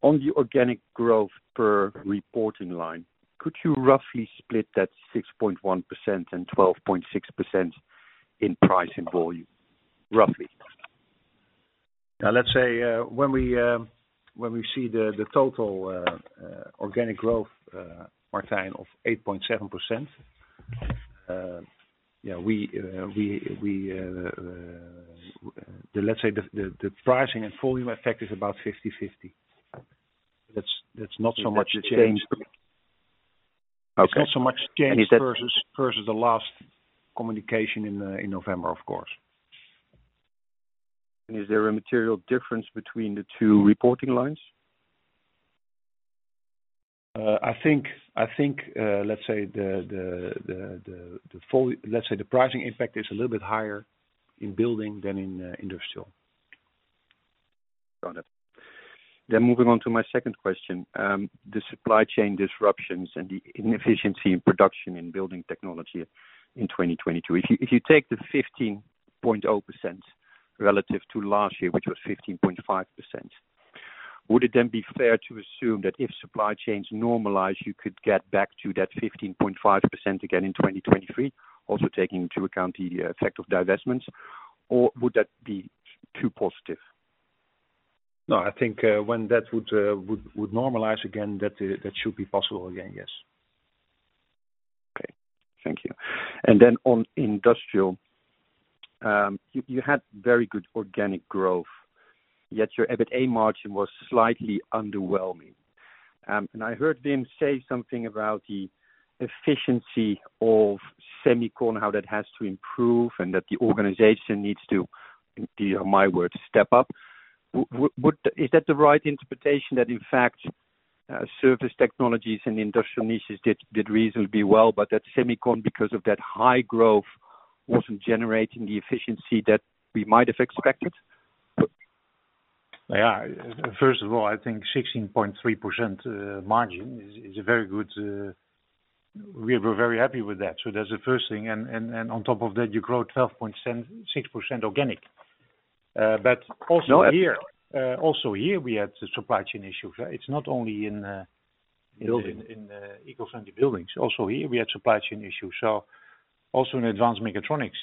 On the organic growth per reporting line, could you roughly split that 6.1% and 12.6% in price and volume, roughly?
Let's say, when we see the total organic growth, Martijn, of 8.7%, we, let's say the pricing and volume effect is about 50/50. That's not so much a change.
Okay.
It's not so much change versus the last communication in November, of course.
Is there a material difference between the two reporting lines?
I think, let's say the pricing impact is a little bit higher in Building than in Industrial.
Got it. Moving on to my second question, the supply chain disruptions and the inefficiency in production in Building Technology in 2022. If you, if you take the 15.0% relative to last year, which was 15.5%, would it then be fair to assume that if supply chains normalize, you could get back to that 15.5% again in 2023, also taking into account the effect of divestments? Or would that be too positive?
No, I think, when that would normalize again, that should be possible again, yes.
Okay. Thank you. On industrial, you had very good organic growth, yet your EBITA margin was slightly underwhelming. I heard Wim say something about the efficiency of semicon, how that has to improve and that the organization needs to, in my words, step up. Is that the right interpretation that in fact, surface technologies and industrial niches did reasonably well, but that semicon, because of that high growth, wasn't generating the efficiency that we might have expected?
Yeah. First of all, I think 16.3% margin is a very good. We're very happy with that. That's the first thing. On top of that, you grow 12.76% organic. Also here, also here we had supply chain issues. It's not only in eco-friendly buildings. Also here we had supply chain issues. Also in advanced mechatronics,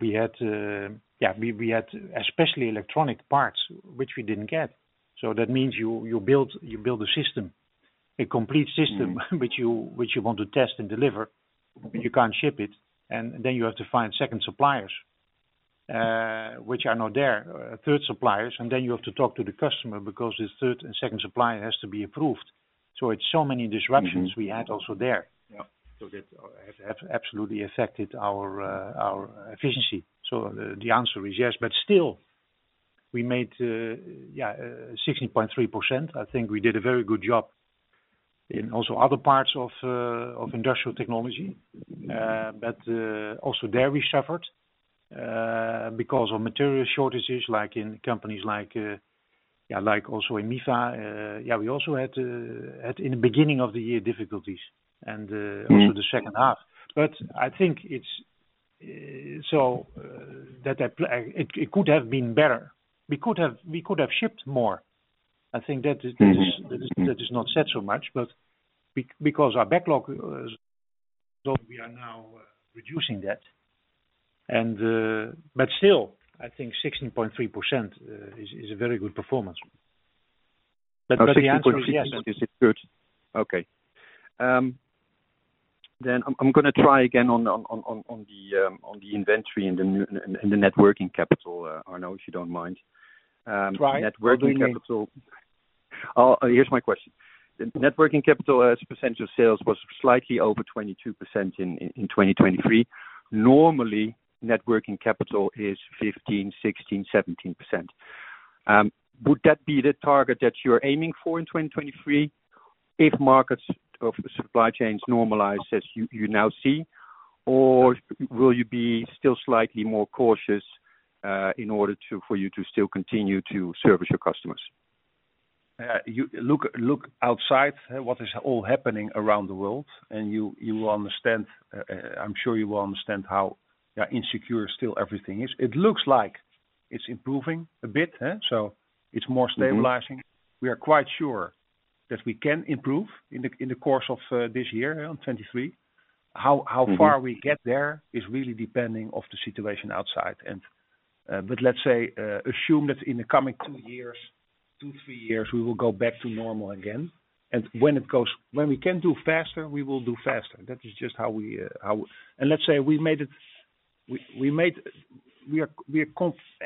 we had, yeah, we had especially electronic parts which we didn't get. That means you build a system, a complete system which you want to test and deliver, and you can't ship it. You have to find second suppliers, which are not there, third suppliers. You have to talk to the customer because the third and second supplier has to be approved. It's so many disruptions we had also there.
Yeah.
That has absolutely affected our efficiency. The answer is yes. Still we made 16.3%. I think we did a very good job in also other parts of industrial technology.
Mm-hmm.
Also there we suffered, because of material shortages, like in companies like also in Mifa. We also had in the beginning of the year difficulties and.
Mm-hmm...
also the second half. I think it could have been better. We could have shipped more. I think that is not said so much. Because our backlog is low, we are now reducing that. Still, I think 16.3% is a very good performance. The answer is yes.
I'm gonna try again on the on the inventory and the net working capital, Arno, if you don't mind.
Try.
Net working capital. Oh, here's my question. Net working capital as a percentage of sales was slightly over 22% in 2023. Normally, net working capital is 15%, 16%, 17%. Would that be the target that you're aiming for in 2023 if markets of supply chains normalize as you now see? Or will you be still slightly more cautious in order for you to still continue to service your customers?
Look outside, what is all happening around the world. You will understand, I'm sure you will understand how, yeah, insecure still everything is. It looks like it's improving a bit, huh, so it's more stabilizing. We are quite sure that we can improve in the course of this year, on 2023.
Mm-hmm.
How far we get there is really depending of the situation outside. But let's say, assume that in the coming 2 years, 2, 3 years, we will go back to normal again. When we can do faster, we will do faster. That is just how we, how. Let's say we made. We are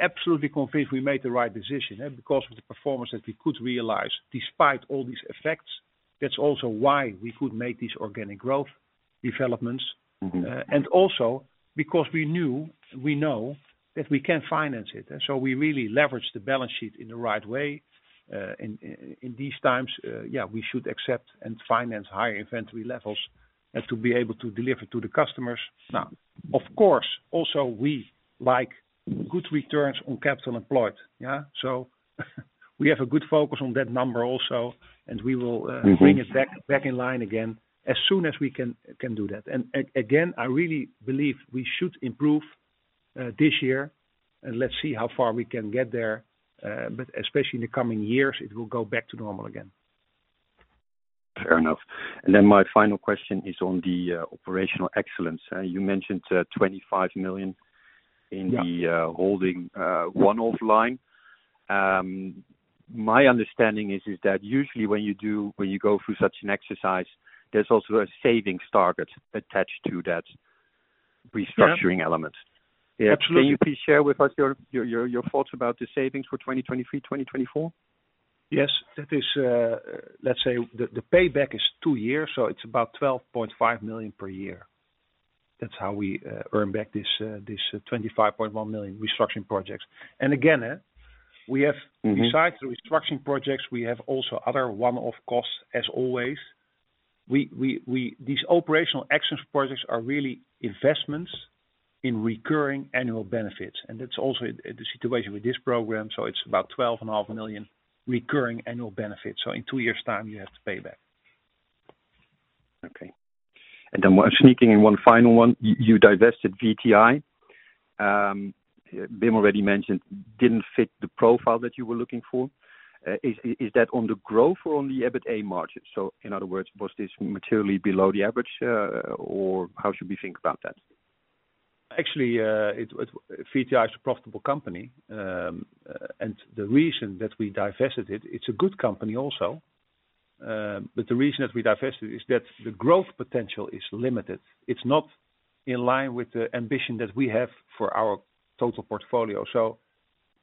absolutely convinced we made the right decision, because of the performance that we could realize despite all these effects. That's also why we could make these organic growth developments.
Mm-hmm.
Also because we knew, we know that we can finance it. We really leverage the balance sheet in the right way. In these times, yeah, we should accept and finance higher inventory levels to be able to deliver to the customers. Now, of course, also we like good returns on capital employed, yeah? We have a good focus on that number also, and we will bring it back in line again as soon as we can do that. Again, I really believe we should improve this year, and let's see how far we can get there. Especially in the coming years, it will go back to normal again.
Fair enough. My final question is on the operational excellence. You mentioned 25 million in the holding one-off line. My understanding is that usually when you go through such an exercise, there's also a savings target attached to that. Restructuring elements.
Absolutely.
Can you please share with us your thoughts about the savings for 2023, 2024?
Yes. That is, let's say the payback is two years. It's about 12.5 million per year. That's how we earn back this 25.1 million restructuring projects. Again.
Mm-hmm.
Besides the restructuring projects, we have also other one-off costs as always. We these operational action projects are really investments in recurring annual benefits. That's also the situation with this program. It's about twelve and a half million recurring annual benefits. In two years' time, you have to pay back.
Okay. sneaking in one final one. You divested VTI. Wim Pelsma already mentioned didn't fit the profile that you were looking for. Is that on the growth or on the EBITDA margin? In other words, was this materially below the average, or how should we think about that?
Actually, VTI is a profitable company. The reason that we divested it's a good company also. The reason that we divested it is that the growth potential is limited. It's not in line with the ambition that we have for our total portfolio.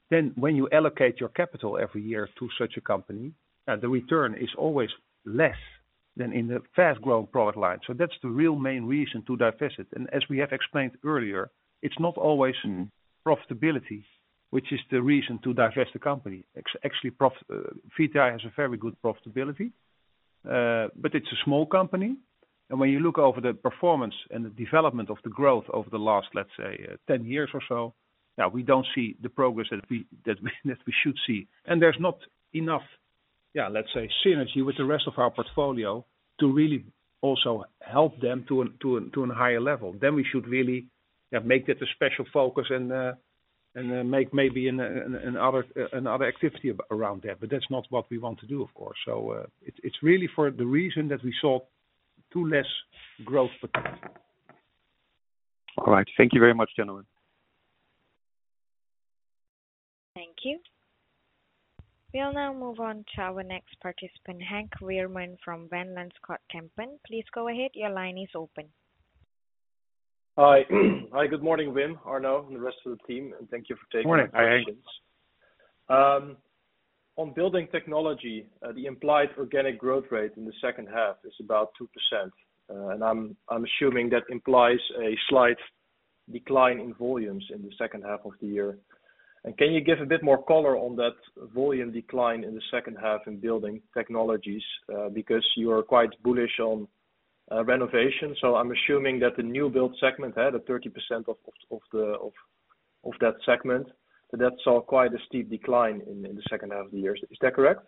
When you allocate your capital every year to such a company, the return is always less than in the fast-growing product line. That's the real main reason to divest it. As we have explained earlier, it's not always profitability, which is the reason to divest the company. Actually, VTI has a very good profitability, it's a small company. When you look over the performance and the development of the growth over the last, let's say, 10 years or so, we don't see the progress that we should see. There's not enough, let's say, synergy with the rest of our portfolio to really also help them to a higher level. We should really make that a special focus and make maybe another activity around that. That's not what we want to do, of course. It's really for the reason that we saw too less growth potential.
All right. Thank you very much, gentlemen.
Thank you. We'll now move on to our next participant, Henk Veerman from Van Lanschot Kempen. Please go ahead. Your line is open.
Hi. Hi. Good morning, Wim, Arno, and the rest of the team, and thank you for taking my questions.
Good morning, Henk.
On building technology, the implied organic growth rate in the second half is about 2%. I'm assuming that implies a slight decline in volumes in the second half of the year. Can you give a bit more color on that volume decline in the second half in building technologies? You are quite bullish on renovation. I'm assuming that the new build segment, at a 30% of that segment, that saw quite a steep decline in the second half of the year. Is that correct?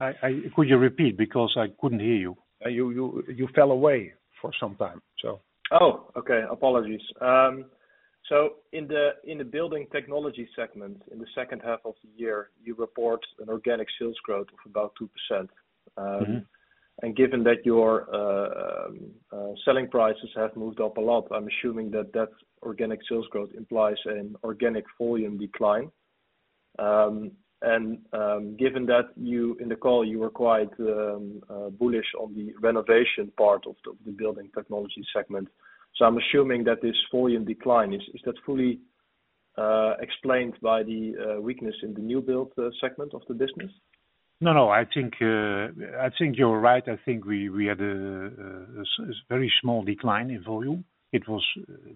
I. Could you repeat? Because I couldn't hear you. You fell away for some time, so.
Oh, okay. Apologies. In the building technology segment, in the second half of the year, you report an organic sales growth of about 2%.
Mm-hmm.
Given that your selling prices have moved up a lot, I'm assuming that that organic sales growth implies an organic volume decline. Given that you in the call, you were quite bullish on the renovation part of the building technology segment. I'm assuming that this volume decline, is that fully explained by the weakness in the new build segment of the business?
No, no. I think, I think you're right. I think we had a very small decline in volume. It was,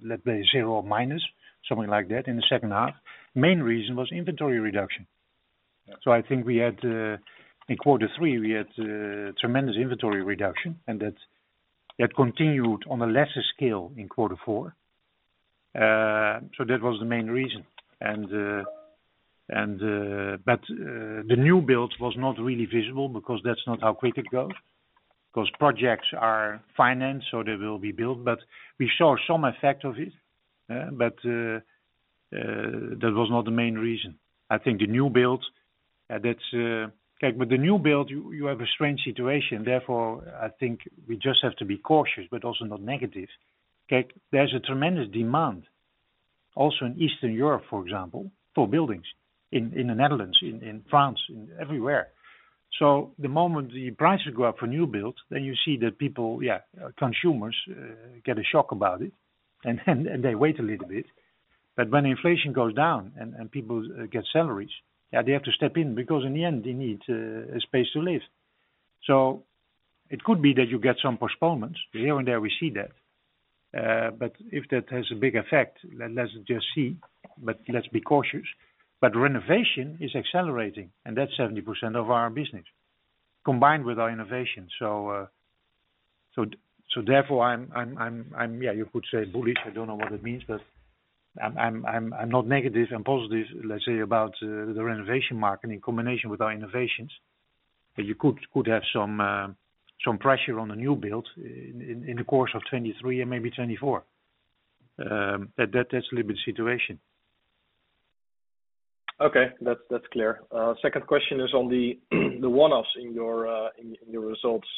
let's say, zero minus, something like that in the second half. Main reason was inventory reduction.
Yeah.
I think we had in quarter three, we had tremendous inventory reduction, and that continued on a lesser scale in quarter four. That was the main reason. The new build was not really visible because that's not how quick it goes, because projects are financed, they will be built. We saw some effect of it, but that was not the main reason. I think the new build, that's. Okay. With the new build, you have a strange situation. Therefore, I think we just have to be cautious but also not negative. Okay. There's a tremendous demand also in Eastern Europe, for example, for buildings in the Netherlands, in France, everywhere. The moment the prices go up for new builds, then you see that people, consumers get a shock about it, and they wait a little bit. When inflation goes down and people get salaries, they have to step in because in the end, they need a space to live. It could be that you get some postponements. Here and there we see that. If that has a big effect, then let's just see, but let's be cautious. Renovation is accelerating, and that's 70% of our business, combined with our innovation. Therefore, I'm, you could say bullish. I don't know what it means, but I'm not negative. I'm positive, let's say, about the renovation market in combination with our innovations. You could have some pressure on the new build in the course of 2023 and maybe 2024. That's a little bit situation.
Okay. That's, that's clear. Second question is on the one-offs in your, in your results.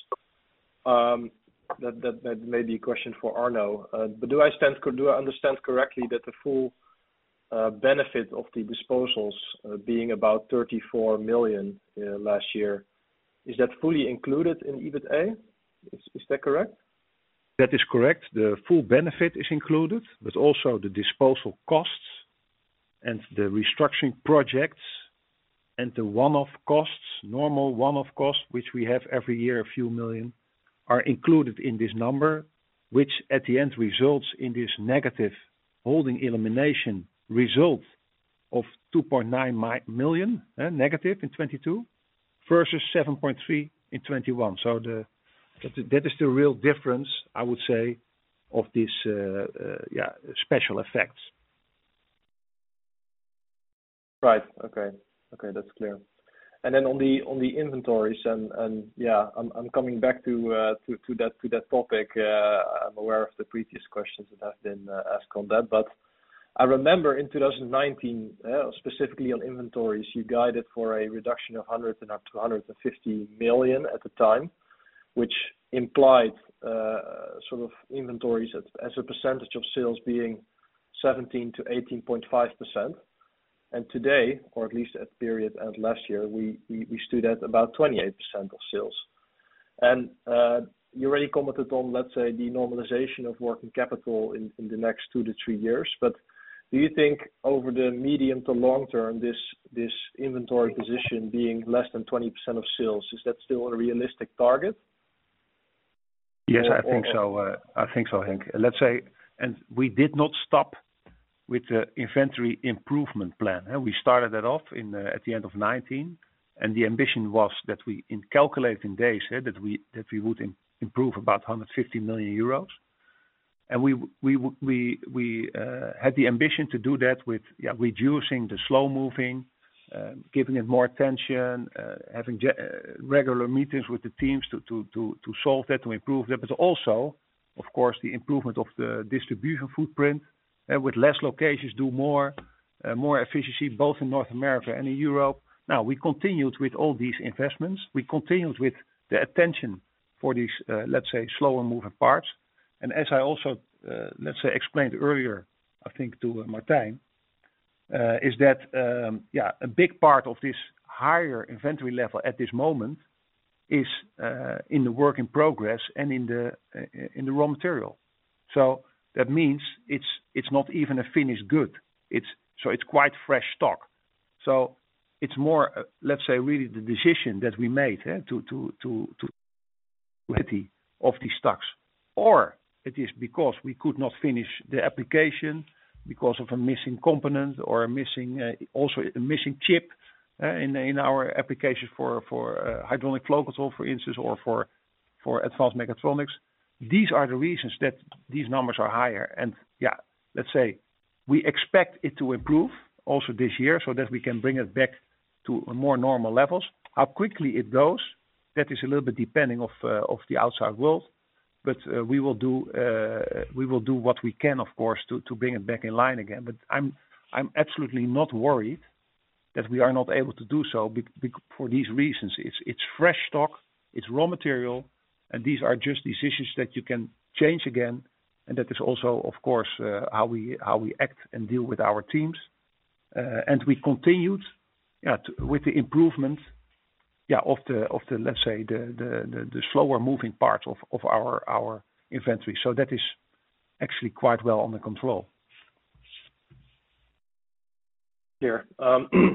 That may be a question for Arno. Do I understand correctly that the full benefit of the disposals, being about 34 million last year, is that fully included in EBITA? Is that correct?
That is correct. The full benefit is included, but also the disposal costs and the restructuring projects and the one-off costs, normal one-off costs, which we have every year, a few million, are included in this number, which at the end results in this negative holding elimination result of 2.9 million negative in 2022 versus 7.3 million in 2021. That is the real difference, I would say, of these, yeah, special effects.
Right. Okay. Okay, that's clear. On the inventories and yeah, I'm coming back to that topic. I'm aware of the previous questions that have been asked on that. I remember in 2019, specifically on inventories, you guided for a reduction of 100 million-150 million at the time, which implied sort of inventories as a percentage of sales being 17%-18.5%. Today, or at least at the period end last year, we stood at about 28% of sales. You already commented on, let's say, the normalization of working capital in the next 2-3 years. Do you think over the medium to long term, this inventory position being less than 20% of sales, is that still a realistic target?
Yes, I think so. I think so, Henk. Let's say. We did not stop with the inventory improvement plan. We started that off at the end of 2019, and the ambition was that we, in calculating days, that we would improve about 150 million euros. We had the ambition to do that with reducing the slow-moving, giving it more attention, having regular meetings with the teams to solve that, to improve that. Also, of course, the improvement of the distribution footprint, with less locations do more, more efficiency, both in North America and in Europe. We continued with all these investments. We continued with the attention for these, let's say, slower-moving parts. As I also, let's say, explained earlier, I think to Martijn, is that a big part of this higher inventory level at this moment is in the work in progress and in the raw material. That means it's not even a finished good. It's quite fresh stock. It's more, let's say, really the decision that we made to ready of these stocks. It is because we could not finish the application because of a missing component or a missing also a missing chip in our application for hydronic flow control, for instance, or for advanced mechatronics. These are the reasons that these numbers are higher. Let's say, we expect it to improve also this year so that we can bring it back to more normal levels. How quickly it goes, that is a little bit depending of the outside world. We will do what we can, of course, to bring it back in line again. I'm absolutely not worried that we are not able to do so for these reasons. It's fresh stock, it's raw material, and these are just decisions that you can change again, and that is also, of course, how we act and deal with our teams. We continued with the improvement of the, let's say, the slower-moving parts of our inventory. That is actually quite well under control.
Clear.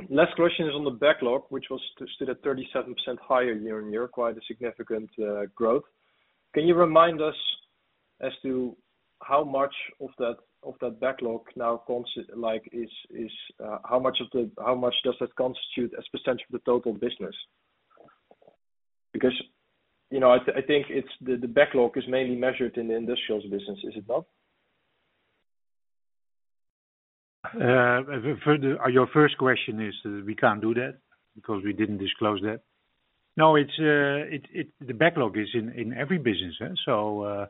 Last question is on the backlog, which was still at 37% higher year-on-year, quite a significant growth. Can you remind us as to how much of that, of that backlog now how much of the, how much does that constitute as % of the total business? You know, I think it's, the backlog is mainly measured in the industrials business, is it not?
For the... Your first question is, we can't do that because we didn't disclose that. No, it's, the backlog is in every business, yeah.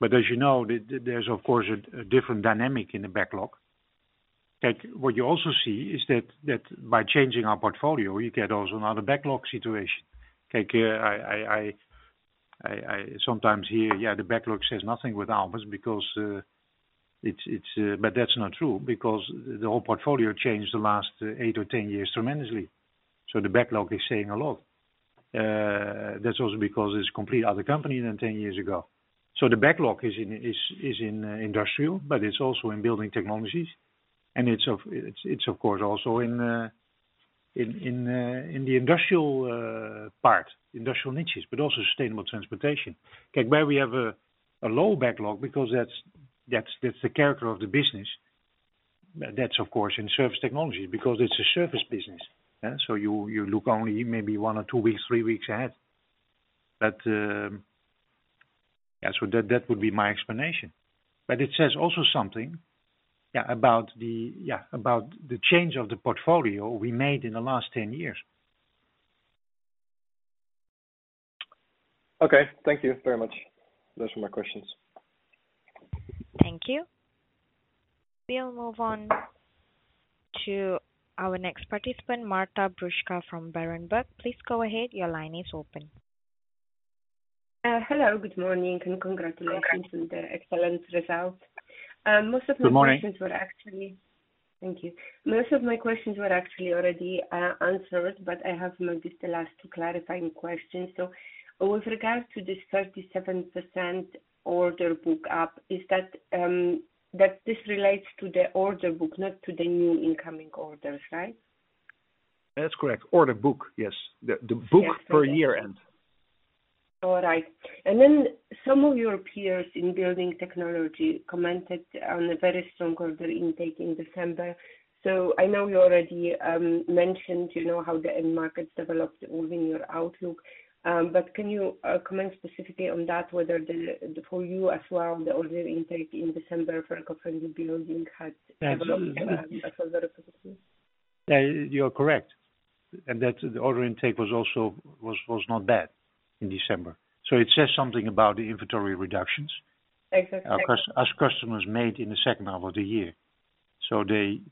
But as you know, there's of course a different dynamic in the backlog. Like, what you also see is that by changing our portfolio, you get also another backlog situation. Take, I sometimes hear, yeah, the backlog says nothing with Alpas because it's, but that's not true because the whole portfolio changed the last 8 or 10 years tremendously. The backlog is saying a lot. That's also because it's complete other company than 10 years ago. The backlog is in industrial, but it's also in building technologies. It's of course, also in the industrial part, industrial niches, but also sustainable transportation. Okay. Where we have a low backlog because that's the character of the business. That's of course in service technology because it's a service business. You look only maybe one or two weeks, three weeks ahead. That would be my explanation. It says also something about the change of the portfolio we made in the last 10 years.
Okay. Thank you very much. Those were my questions.
Thank you. We'll move on to our next participant, Marta Bruska from Berenberg. Please go ahead. Your line is open.
Hello, good morning and congratulations on the excellent result.
Good morning.
were actually. Thank you. Most of my questions were actually already answered, but I have maybe the last two clarifying questions. With regards to this 37% order book up, is that this relates to the order book, not to the new incoming orders, right?
That's correct. Order book, yes. The book.
Yes.
per year end.
Some of your peers in building technology commented on a very strong order intake in December. I know you already mentioned, you know, how the end markets developed within your outlook. Can you comment specifically on that whether the for you as well, the order intake in December for eco-friendly building had developed at all
Yeah. You're correct. That order intake was also not bad in December. It says something about the inventory reductions.
Exactly.
U.S. customers made in the second half of the year.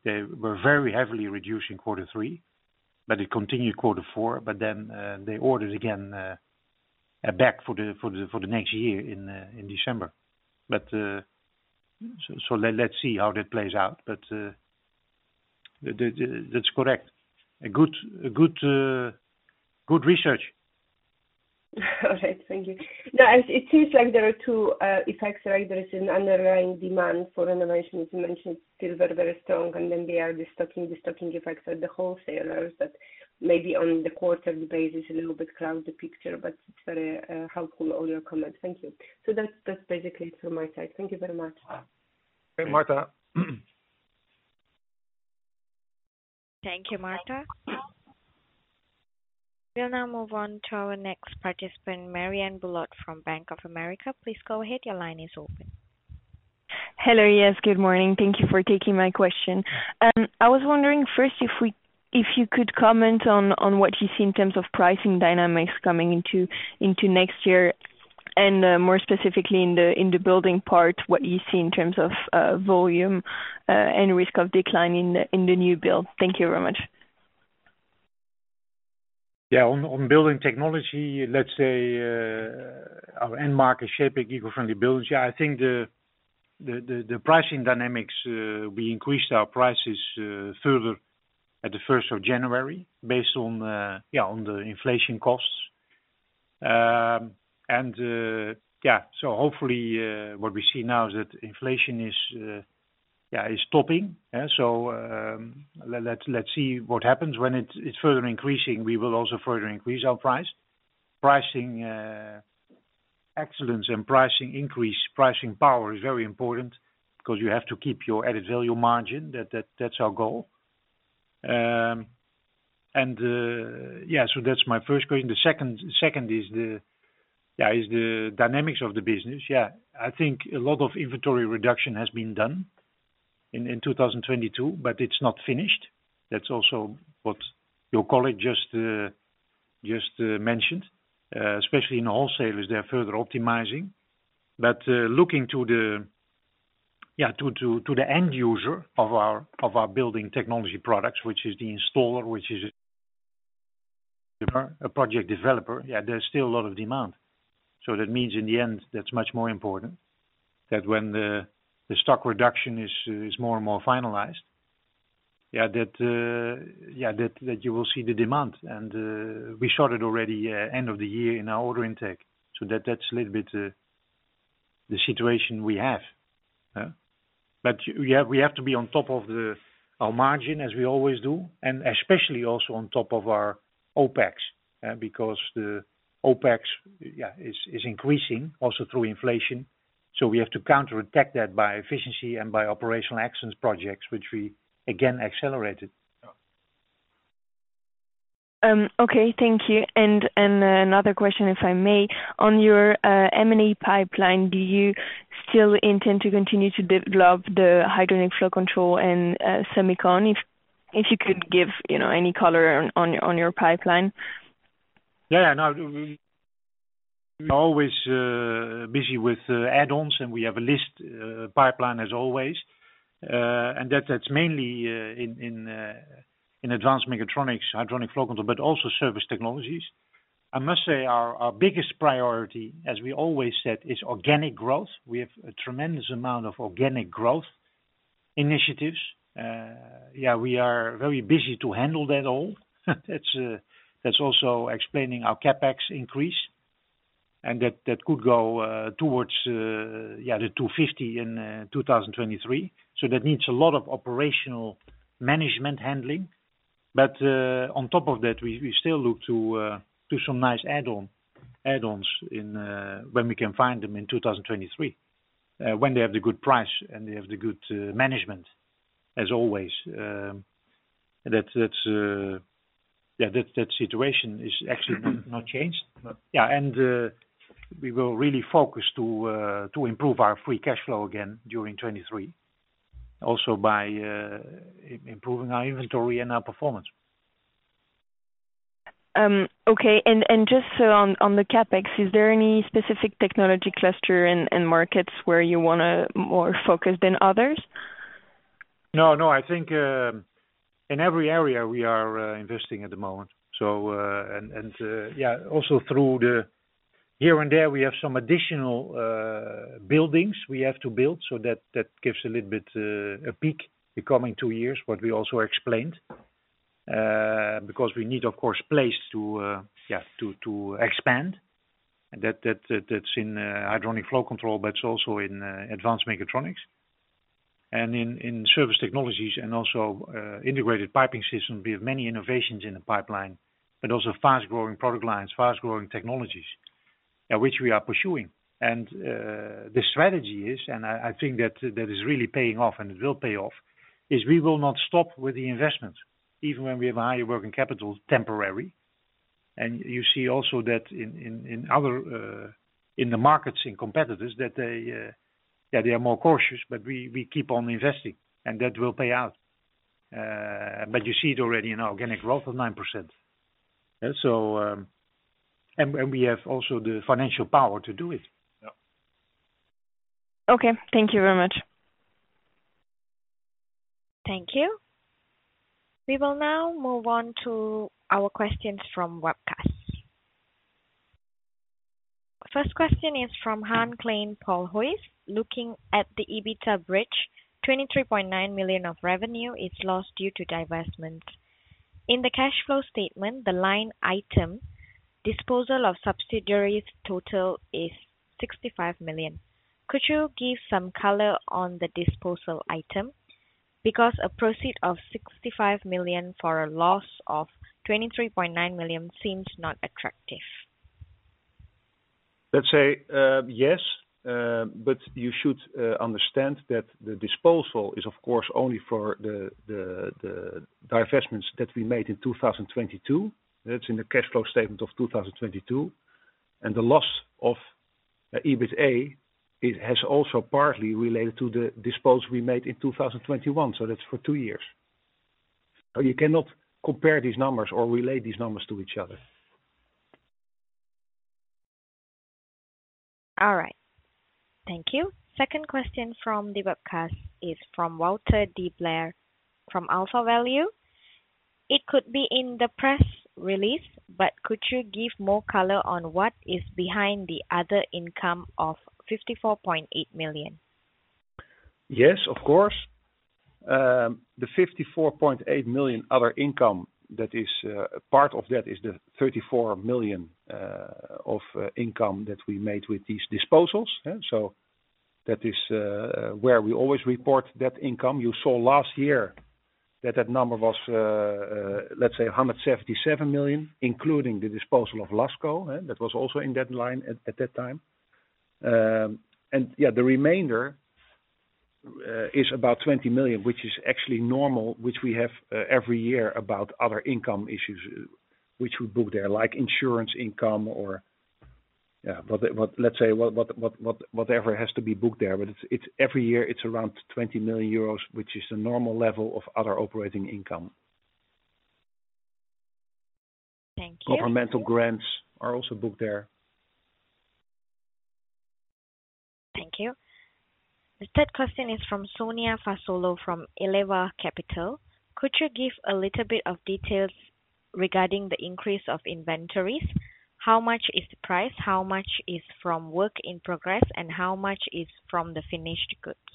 They were very heavily reduced in quarter three. It continued quarter four. They ordered again back for the next year in December. Let's see how that plays out. That's correct. A good research.
All right. Thank you. Now, it seems like there are two effects, right? There is an underlying demand for renovations you mentioned, still very, very strong, and then there are the stocking effects at the wholesalers that may be on the quarter basis a little bit cloud the picture, but it's very helpful on your comment. Thank you. That's, that's basically it from my side. Thank you very much.
Okay, Martha.
Thank you, Martha. We'll now move on to our next participant, Marianne Bulot from Bank of America. Please go ahead. Your line is open.
Hello. Yes, good morning. Thank you for taking my question. I was wondering first if you could comment on what you see in terms of pricing dynamics coming into next year and more specifically in the building part, what you see in terms of volume and risk of decline in the new build. Thank you very much.
On building technology, let's say, our end market shaping eco-friendly buildings. I think the pricing dynamics, we increased our prices further at the 1st of January based on the inflation costs. Hopefully, what we see now is that inflation is stopping. Let's see what happens. When it's further increasing, we will also further increase our price. Pricing excellence and pricing increase, pricing power is very important 'cause you have to keep your added value margin. That's our goal. That's my first question. The second is the dynamics of the business. I think a lot of inventory reduction has been done in 2022, but it's not finished. That's also what your colleague just mentioned. Especially in the wholesalers, they're further optimizing. Looking to the end user of our building technology products, which is the installer, which is a project developer, there's still a lot of demand. That means in the end, that's much more important that when the stock reduction is more and more finalized, that you will see the demand. We saw that already end of the year in our order intake. That's a little bit the situation we have. Yeah, we have to be on top of our margin as we always do, and especially also on top of our OPEX, because the OPEX is increasing also through inflation. We have to counterattack that by efficiency and by operational excellence projects, which we again accelerated.
Okay, thank you. Another question, if I may. On your M&A pipeline, do you still intend to continue to develop the hydronic flow control and semicon? If you could give, you know, any color on your pipeline.
Yeah, no. We're always busy with add-ons, and we have a list pipeline as always. That's mainly in advanced mechatronics, hydronic flow control, but also surface technologies. I must say our biggest priority, as we always said, is organic growth. We have a tremendous amount of organic growth initiatives. Yeah, we are very busy to handle that all. That's also explaining our CapEx increase. That could go towards 250 in 2023. That needs a lot of operational management handling. On top of that, we still look to some nice add-ons when we can find them in 2023, when they have the good price and they have the good management as always. That's that situation is actually not changed. Yeah. We will really focus to improve our free cash flow again during 2023 also by improving our inventory and our performance.
Okay. And just, on the CapEx, is there any specific technology cluster in markets where you want to more focus than others?
No, no. I think, in every area we are investing at the moment. Yeah, also through the here and there, we have some additional buildings we have to build. That gives a little bit a peak the coming two years what we also explained. We need, of course, place to, yeah, to expand. That's in hydronic flow control, but it's also in advanced mechatronics. In surface technologies and also integrated piping systems, we have many innovations in the pipeline, but also fast-growing product lines, fast-growing technologies, at which we are pursuing. The strategy is, I think that is really paying off and it will pay off, is we will not stop with the investments even when we have a higher working capital temporary. You see also that in other in the markets in competitors that they are more cautious, but we keep on investing, and that will pay out. You see it already in our organic growth of 9%. And we have also the financial power to do it.
Yeah.
Okay. Thank you very much. Thank you. We will now move on to our questions from webcast. First question is from Henk Kleijn, Paul Hoese. Looking at the EBITDA bridge, 23.9 million of revenue is lost due to divestments. In the cash flow statement, the line item, disposal of subsidiaries total is 65 million. Could you give some color on the disposal item? A proceed of 65 million for a loss of 23.9 million seems not attractive.
Yes, you should understand that the disposal is of course only for the divestments that we made in 2022. That's in the cash flow statement of 2022. The loss of EBITA, it has also partly related to the disposal we made in 2021, that's for 2 years. You cannot compare these numbers or relate these numbers to each other.
All right. Thank you. Second question from the webcast is from Walter DeBlair from AlphaValue. It could be in the press release, but could you give more color on what is behind the other income of 54.8 million?
Yes, of course. The 54.8 million other income that is part of that is the 34 million of income that we made with these disposals. That is where we always report that income. You saw last year that number was let's say 177 million, including the disposal of Lasco, that was also in that line at that time. The remainder is about 20 million, which is actually normal, which we have every year about other income issues which we book there, like insurance income or, yeah. Let's say, whatever has to be booked there, but it's every year, it's around 20 million euros, which is the normal level of other operating income.
Thank you.
Governmental grants are also booked there.
Thank you. The third question is from Sonia Fasolo from Eleva Capital. Could you give a little bit of details regarding the increase of inventories? How much is the price? How much is from work in progress? How much is from the finished goods?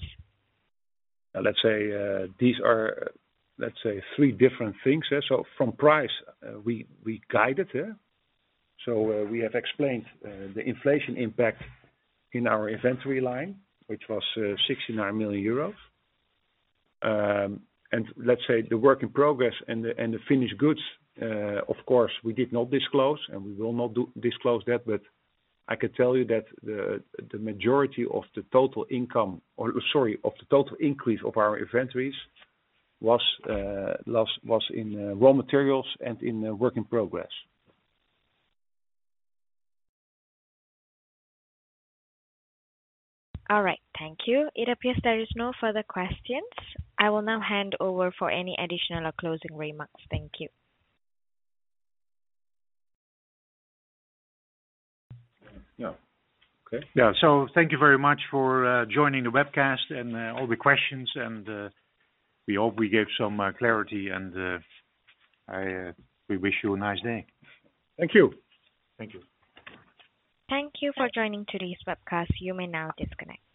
Let's say, these are, let's say three different things. Yeah, so from price, we guided. Yeah. So, we have explained the inflation impact in our inventory line, which was 69 million euros. And let's say the work in progress and the finished goods, of course, we did not disclose, and we will not disclose that, but I can tell you that the majority of the total income or, sorry, of the total increase of our inventories was in raw materials and in work in progress.
All right. Thank you. It appears there is no further questions. I will now hand over for any additional or closing remarks. Thank you.
Yeah. Okay.
Yeah. Thank you very much for joining the webcast and all the questions. We hope we gave some clarity and we wish you a nice day.
Thank you.
Thank you.
Thank you for joining today's webcast. You may now disconnect.